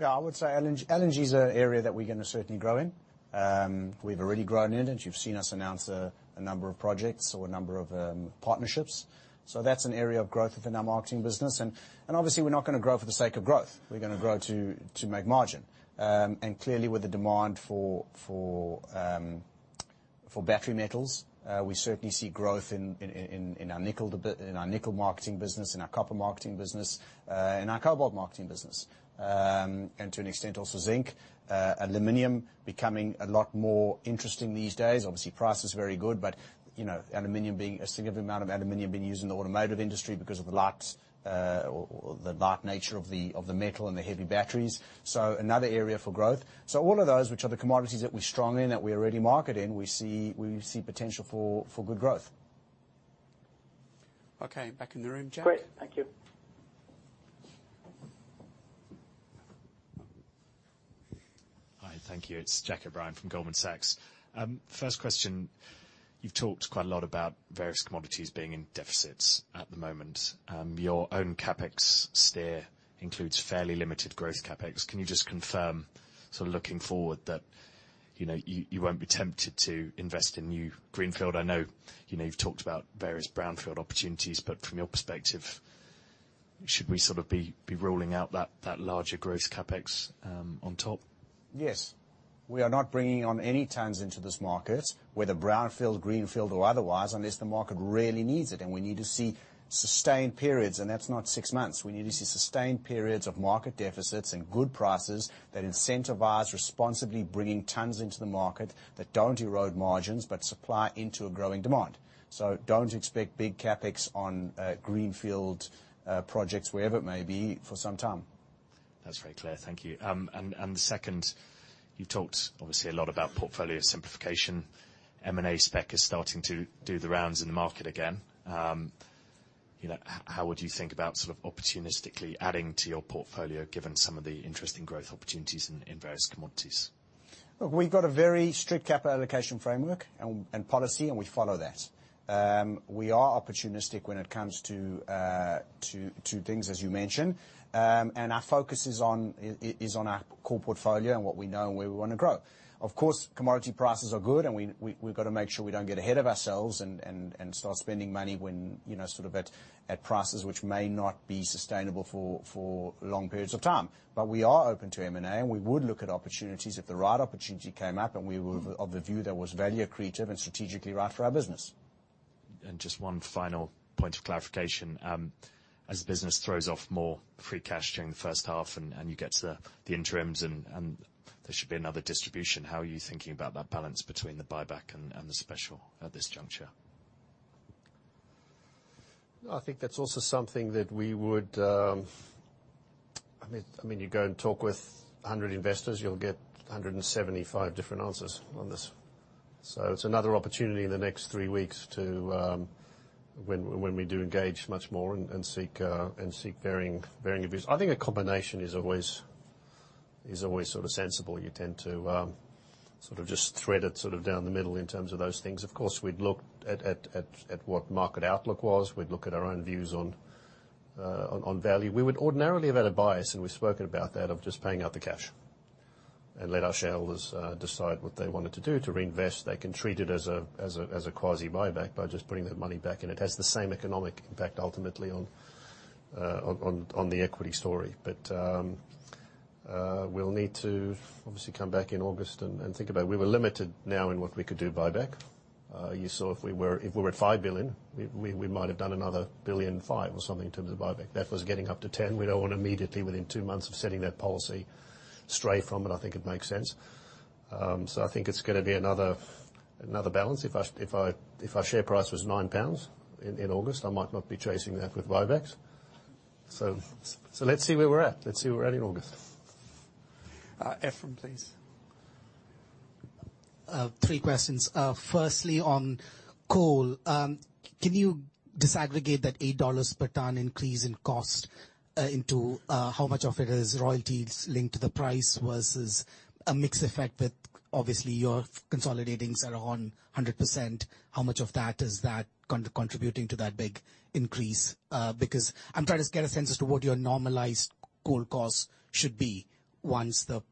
Yeah, I would say LNG is an area that we're gonna certainly grow in. We've already grown in it. You've seen us announce a number of projects or a number of partnerships. That's an area of growth within our marketing business. Obviously, we're not gonna grow for the sake of growth. We're gonna grow to make margin. Clearly, with the demand for battery metals, we certainly see growth in our nickel marketing business and our copper marketing business, and our cobalt marketing business. To an extent, also zinc. Aluminum becoming a lot more interesting these days. Obviously, price is very good, but, you know, a significant amount of aluminum being used in the automotive industry because of the light or the light nature of the metal and the heavy batteries. Another area for growth. All of those, which are the commodities that we're strong in, that we already market in, we see potential for good growth. Okay, back in the room. Jack? Great. Thank you. Hi, thank you. It's Jack O'Brien from Goldman Sachs. First question, you've talked quite a lot about various commodities being in deficits at the moment. Your own CapEx steer includes fairly limited growth CapEx. Can you just confirm sort of looking forward that, you know, you won't be tempted to invest in new greenfield? I know, you know, you've talked about various brownfield opportunities, but from your perspective, should we sort of be ruling out that larger growth CapEx on top? Yes. We are not bringing on any tons into this market, whether brownfield, greenfield or otherwise, unless the market really needs it. We need to see sustained periods, and that's not six months. We need to see sustained periods of market deficits and good prices that incentivize responsibly bringing tons into the market that don't erode margins, but supply into a growing demand. Don't expect big CapEx on greenfield projects, wherever it may be, for some time. That's very clear. Thank you. The second, you've talked obviously a lot about portfolio simplification. M&A spec is starting to do the rounds in the market again. You know, how would you think about sort of opportunistically adding to your portfolio, given some of the interesting growth opportunities in various commodities? Look, we've got a very strict capital allocation framework and policy, and we follow that. We are opportunistic when it comes to things, as you mention. Our focus is on our core portfolio and what we know and where we wanna grow. Of course, commodity prices are good, and we've gotta make sure we don't get ahead of ourselves and start spending money when, you know, sort of at prices which may not be sustainable for long periods of time. We are open to M&A, and we would look at opportunities if the right opportunity came up, and we were of the view that was value accretive and strategically right for our business. Just one final point of clarification. As the business throws off more free cash during the first half, and you get to the interims and there should be another distribution, how are you thinking about that balance between the buyback and the special at this juncture? I think that's also something that we would. I mean, you go and talk with 100 investors, you'll get 175 different answers on this. It's another opportunity in the next three weeks to when we do engage much more and seek varying views. I think a combination is always sort of sensible. You tend to sort of just thread it sort of down the middle in terms of those things. Of course, we'd look at what market outlook was. We'd look at our own views on value. We would ordinarily have had a bias, and we've spoken about that, of just paying out the cash and let our shareholders decide what they wanted to do to reinvest. They can treat it as a quasi buyback by just bringing their money back in. It has the same economic impact ultimately on the equity story. We'll need to obviously come back in August and think about it. We were limited now in what we could do buyback. You saw if we were at $5 billion, we might have done another $1.5 billion or something in terms of buyback. That was getting up to $10 billion. We don't want to immediately within two months of setting that policy stray from it. I think it makes sense. I think it's gonna be another balance. If our share price was 9 pounds in August, I might not be chasing that with buybacks. Let's see where we're at in August. Ephrem, please. Three questions. Firstly, on coal. Can you disaggregate that $8 per ton increase in cost into how much of it is royalties linked to the price versus a mixed effect with obviously your consolidating Cerrejón 100%? How much of that is that contributing to that big increase? Because I'm trying to get a sense as to what your normalized coal costs should be once the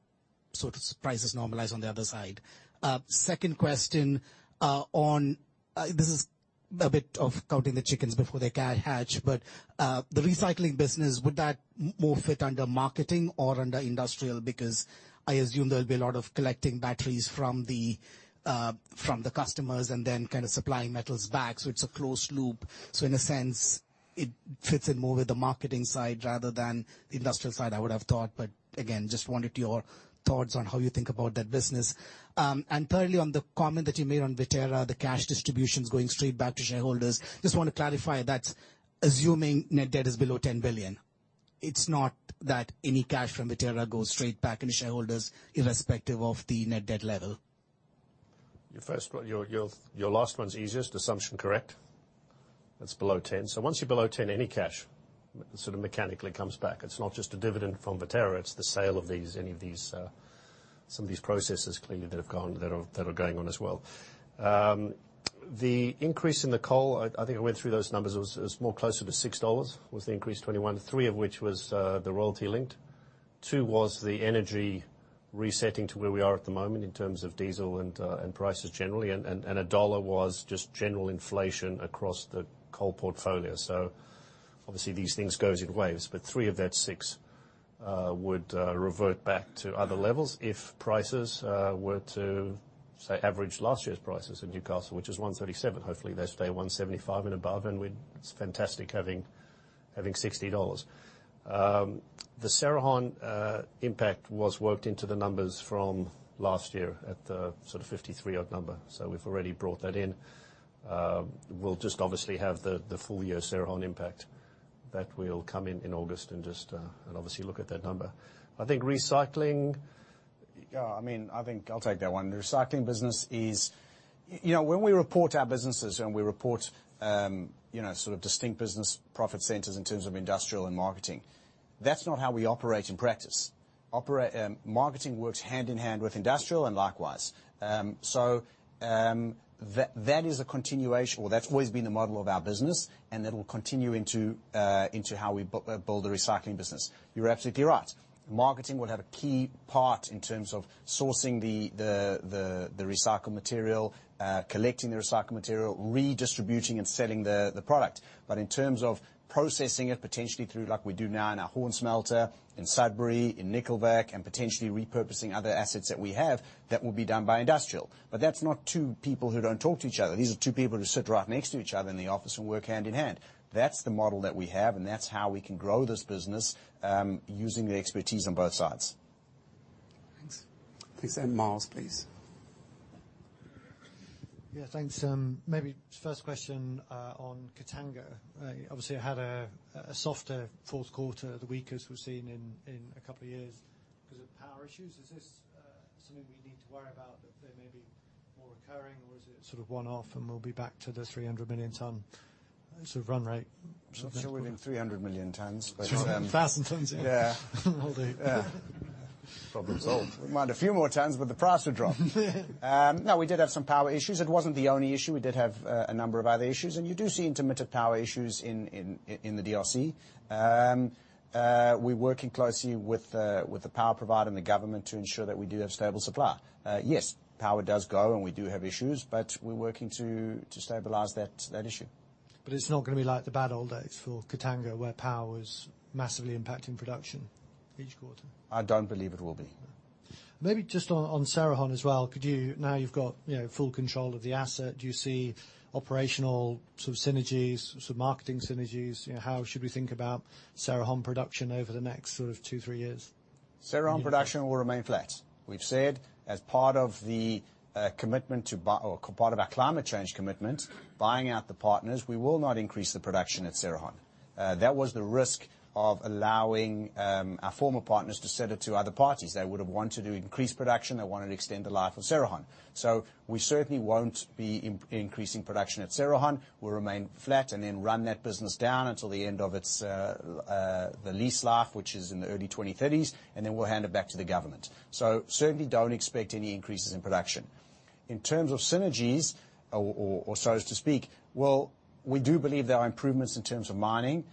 sort of prices normalize on the other side. Second question. This is a bit of counting the chickens before they hatch. The recycling business, would that more fit under marketing or under industrial? Because I assume there'll be a lot of collecting batteries from the customers and then kinda supplying metals back. It's a closed loop. In a sense, it fits in more with the marketing side rather than the industrial side, I would have thought. Again, just wanted your thoughts on how you think about that business. Thirdly, on the comment that you made on Viterra, the cash distributions going straight back to shareholders, just wanna clarify that's assuming net debt is below $10 billion. It's not that any cash from Viterra goes straight back into shareholders irrespective of the net debt level. Your last one's easiest. Assumption correct. It's below 10. Once you're below 10, any cash sort of mechanically comes back. It's not just a dividend from Viterra, it's the sale of these, any of these, some of these processes clearly that have gone, that are going on as well. The increase in the coal, I think I went through those numbers. It was more closer to $6 was the increase, 21, 3 of which was the royalty linked. 2 was the energy resetting to where we are at the moment in terms of diesel and prices generally. A dollar was just general inflation across the coal portfolio. Obviously these things goes in waves, but three of that six would revert back to other levels if prices were to, say, average last year's prices in Newcastle, which is 137. Hopefully they stay 175 and above, and it's fantastic having $60. The Cerrejón impact was worked into the numbers from last year at the sort of 53-odd number. We've already brought that in. We'll just obviously have the full year Cerrejón impact that will come in in August and just and obviously look at that number. I think recycling Yeah, I mean, I think I'll take that one. The recycling business is. You know, when we report our businesses and we report, you know, sort of distinct business profit centers in terms of industrial and marketing, that's not how we operate in practice. Marketing works hand in hand with industrial and likewise. That is a continuation or that's always been the model of our business, and it'll continue into how we build the recycling business. You're absolutely right. Marketing will have a key part in terms of sourcing the recycled material, collecting the recycled material, redistributing and selling the product. In terms of processing it potentially through like we do now in our Horne smelter, in Sudbury, in Nikkelverk, and potentially repurposing other assets that we have, that will be done by industrial. That's not two people who don't talk to each other. These are two people who sit right next to each other in the office and work hand in hand. That's the model that we have, and that's how we can grow this business, using the expertise on both sides. Thanks. Please, and Myles, please. Yeah, thanks. Maybe first question on Katanga. Obviously had a softer fourth quarter, the weakest we've seen in a couple of years because of power issues. Is this something we need to worry about, that there may be more occurring, or is it sort of one-off and we'll be back to the 300 million ton sort of run rate? Still doing 300 million tons, but Thousand tons. Yeah. All day. Yeah. Problem solved. We might have a few more tons, but the price would drop. No, we did have some power issues. It wasn't the only issue. We did have a number of other issues, and you do see intermittent power issues in the DRC. We're working closely with the power provider and the government to ensure that we do have stable supply. Yes, power does go, and we do have issues, but we're working to stabilize that issue. It's not gonna be like the bad old days for Katanga, where power was massively impacting production each quarter. I don't believe it will be. Maybe just on Cerrejón as well. Now you've got, you know, full control of the asset. Do you see operational sort of synergies, sort of marketing synergies? You know, how should we think about Cerrejón production over the next sort of 2-3 years? Cerrejón production will remain flat. We've said as part of the commitment or part of our climate change commitment, buying out the partners, we will not increase the production at Cerrejón. That was the risk of allowing our former partners to sell it to other parties. They would have wanted to increase production. They wanted to extend the life of Cerrejón. We certainly won't be increasing production at Cerrejón. We'll remain flat and then run that business down until the end of its lease life, which is in the early 2030s, and then we'll hand it back to the government. Certainly don't expect any increases in production. In terms of synergies or so to speak, well, we do believe there are improvements in terms of mining,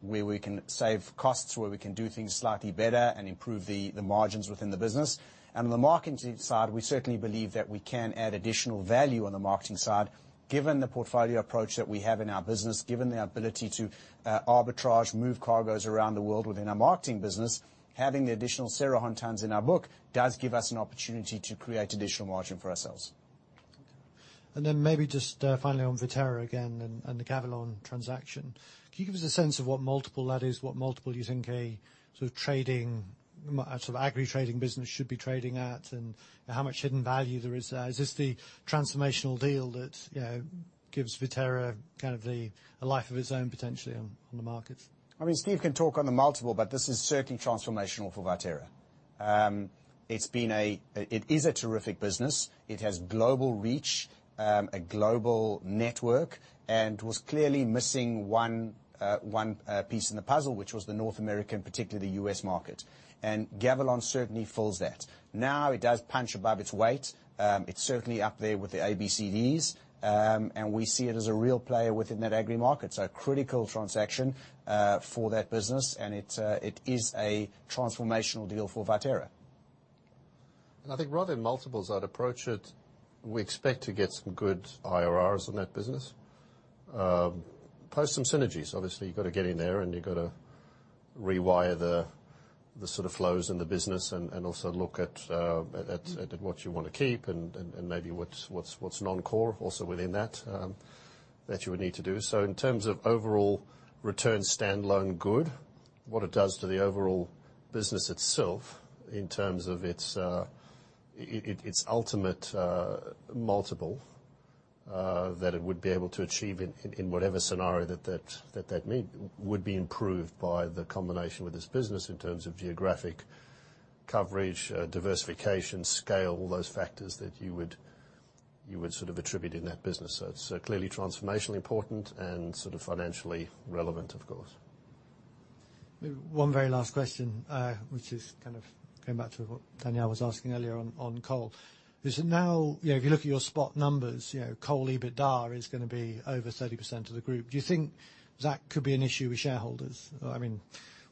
where we can save costs, where we can do things slightly better and improve the margins within the business. On the marketing side, we certainly believe that we can add additional value on the marketing side, given the portfolio approach that we have in our business, given the ability to arbitrage, move cargos around the world within our marketing business. Having the additional Cerrejón tons in our book does give us an opportunity to create additional margin for ourselves. Then maybe just finally on Viterra again and the Gavilon transaction. Can you give us a sense of what multiple that is? What multiple you think a sort of trading, sort of agri trading business should be trading at, and how much hidden value there is there? Is this the transformational deal that gives Viterra kind of a life of its own, potentially on the markets? I mean, Steven can talk on the multiple, but this is certainly transformational for Viterra. It is a terrific business. It has global reach, a global network, and was clearly missing one piece in the puzzle, which was the North American, particularly the U.S. market. Gavilon certainly fills that. Now it does punch above its weight. It's certainly up there with the ABCDs, and we see it as a real player within that agri market. A critical transaction for that business, and it is a transformational deal for Viterra. I think rather than multiples, I'd approach it. We expect to get some good IRRs on that business. Post some synergies. Obviously, you've got to get in there and you've got to rewire the sort of flows in the business and also look at- Mm. At what you want to keep and maybe what's non-core also within that that you would need to do. In terms of overall return standalone good, what it does to the overall business itself in terms of its ultimate multiple that it would be able to achieve in whatever scenario that would be improved by the combination with this business in terms of geographic coverage, diversification, scale, all those factors that you would sort of attribute in that business. Clearly transformationally important and sort of financially relevant, of course. One very last question, which is kind of going back to what Danielle was asking earlier on coal. Is it now? You know, if you look at your spot numbers, you know, coal EBITDA is gonna be over 30% of the group. Do you think that could be an issue with shareholders? I mean,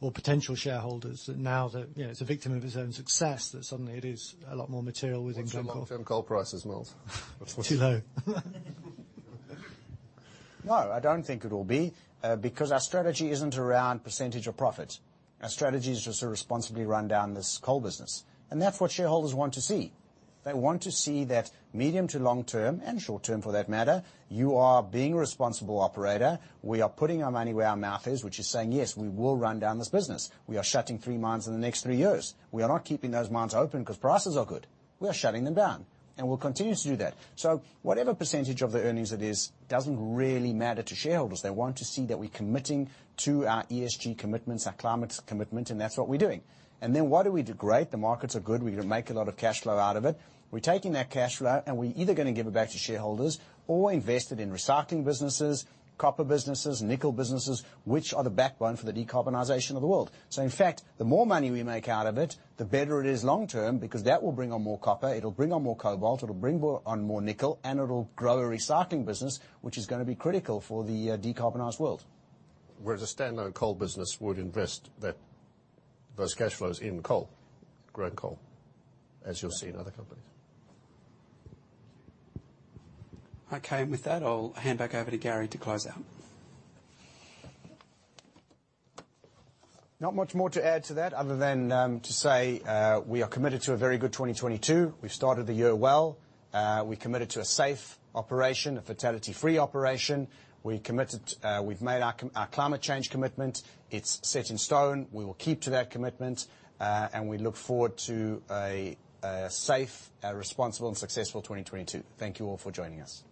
or potential shareholders, that now that, you know, it's a victim of its own success, that suddenly it is a lot more material within Glencore. What's the long-term coal prices, Myles? Too low. No, I don't think it will be, because our strategy isn't around percentage of profit. Our strategy is just to responsibly run down this coal business, and that's what shareholders want to see. They want to see that medium to long term, and short term for that matter, you are being a responsible operator. We are putting our money where our mouth is, which is saying, yes, we will run down this business. We are shutting three mines in the next three years. We are not keeping those mines open because prices are good. We are shutting them down, and we'll continue to do that. So whatever percentage of the earnings it is doesn't really matter to shareholders. They want to see that we're committing to our ESG commitments, our climate commitment, and that's what we're doing. Then why do we de-rate? The markets are good. We can make a lot of cash flow out of it. We're taking that cash flow and we're either gonna give it back to shareholders or invest it in recycling businesses, copper businesses, nickel businesses, which are the backbone for the decarbonization of the world. In fact, the more money we make out of it, the better it is long term, because that will bring on more copper, it'll bring on more cobalt, it'll bring on more nickel, and it'll grow a recycling business, which is gonna be critical for the decarbonized world. Whereas a standalone coal business would invest that, those cash flows in coal, growing coal, as you'll see in other companies. Okay. With that, I'll hand back over to Gary to close out. Not much more to add to that other than to say we are committed to a very good 2022. We've started the year well. We committed to a safe operation, a fatality-free operation. We've made our climate change commitment. It's set in stone. We will keep to that commitment. We look forward to a safe, responsible and successful 2022. Thank you all for joining us.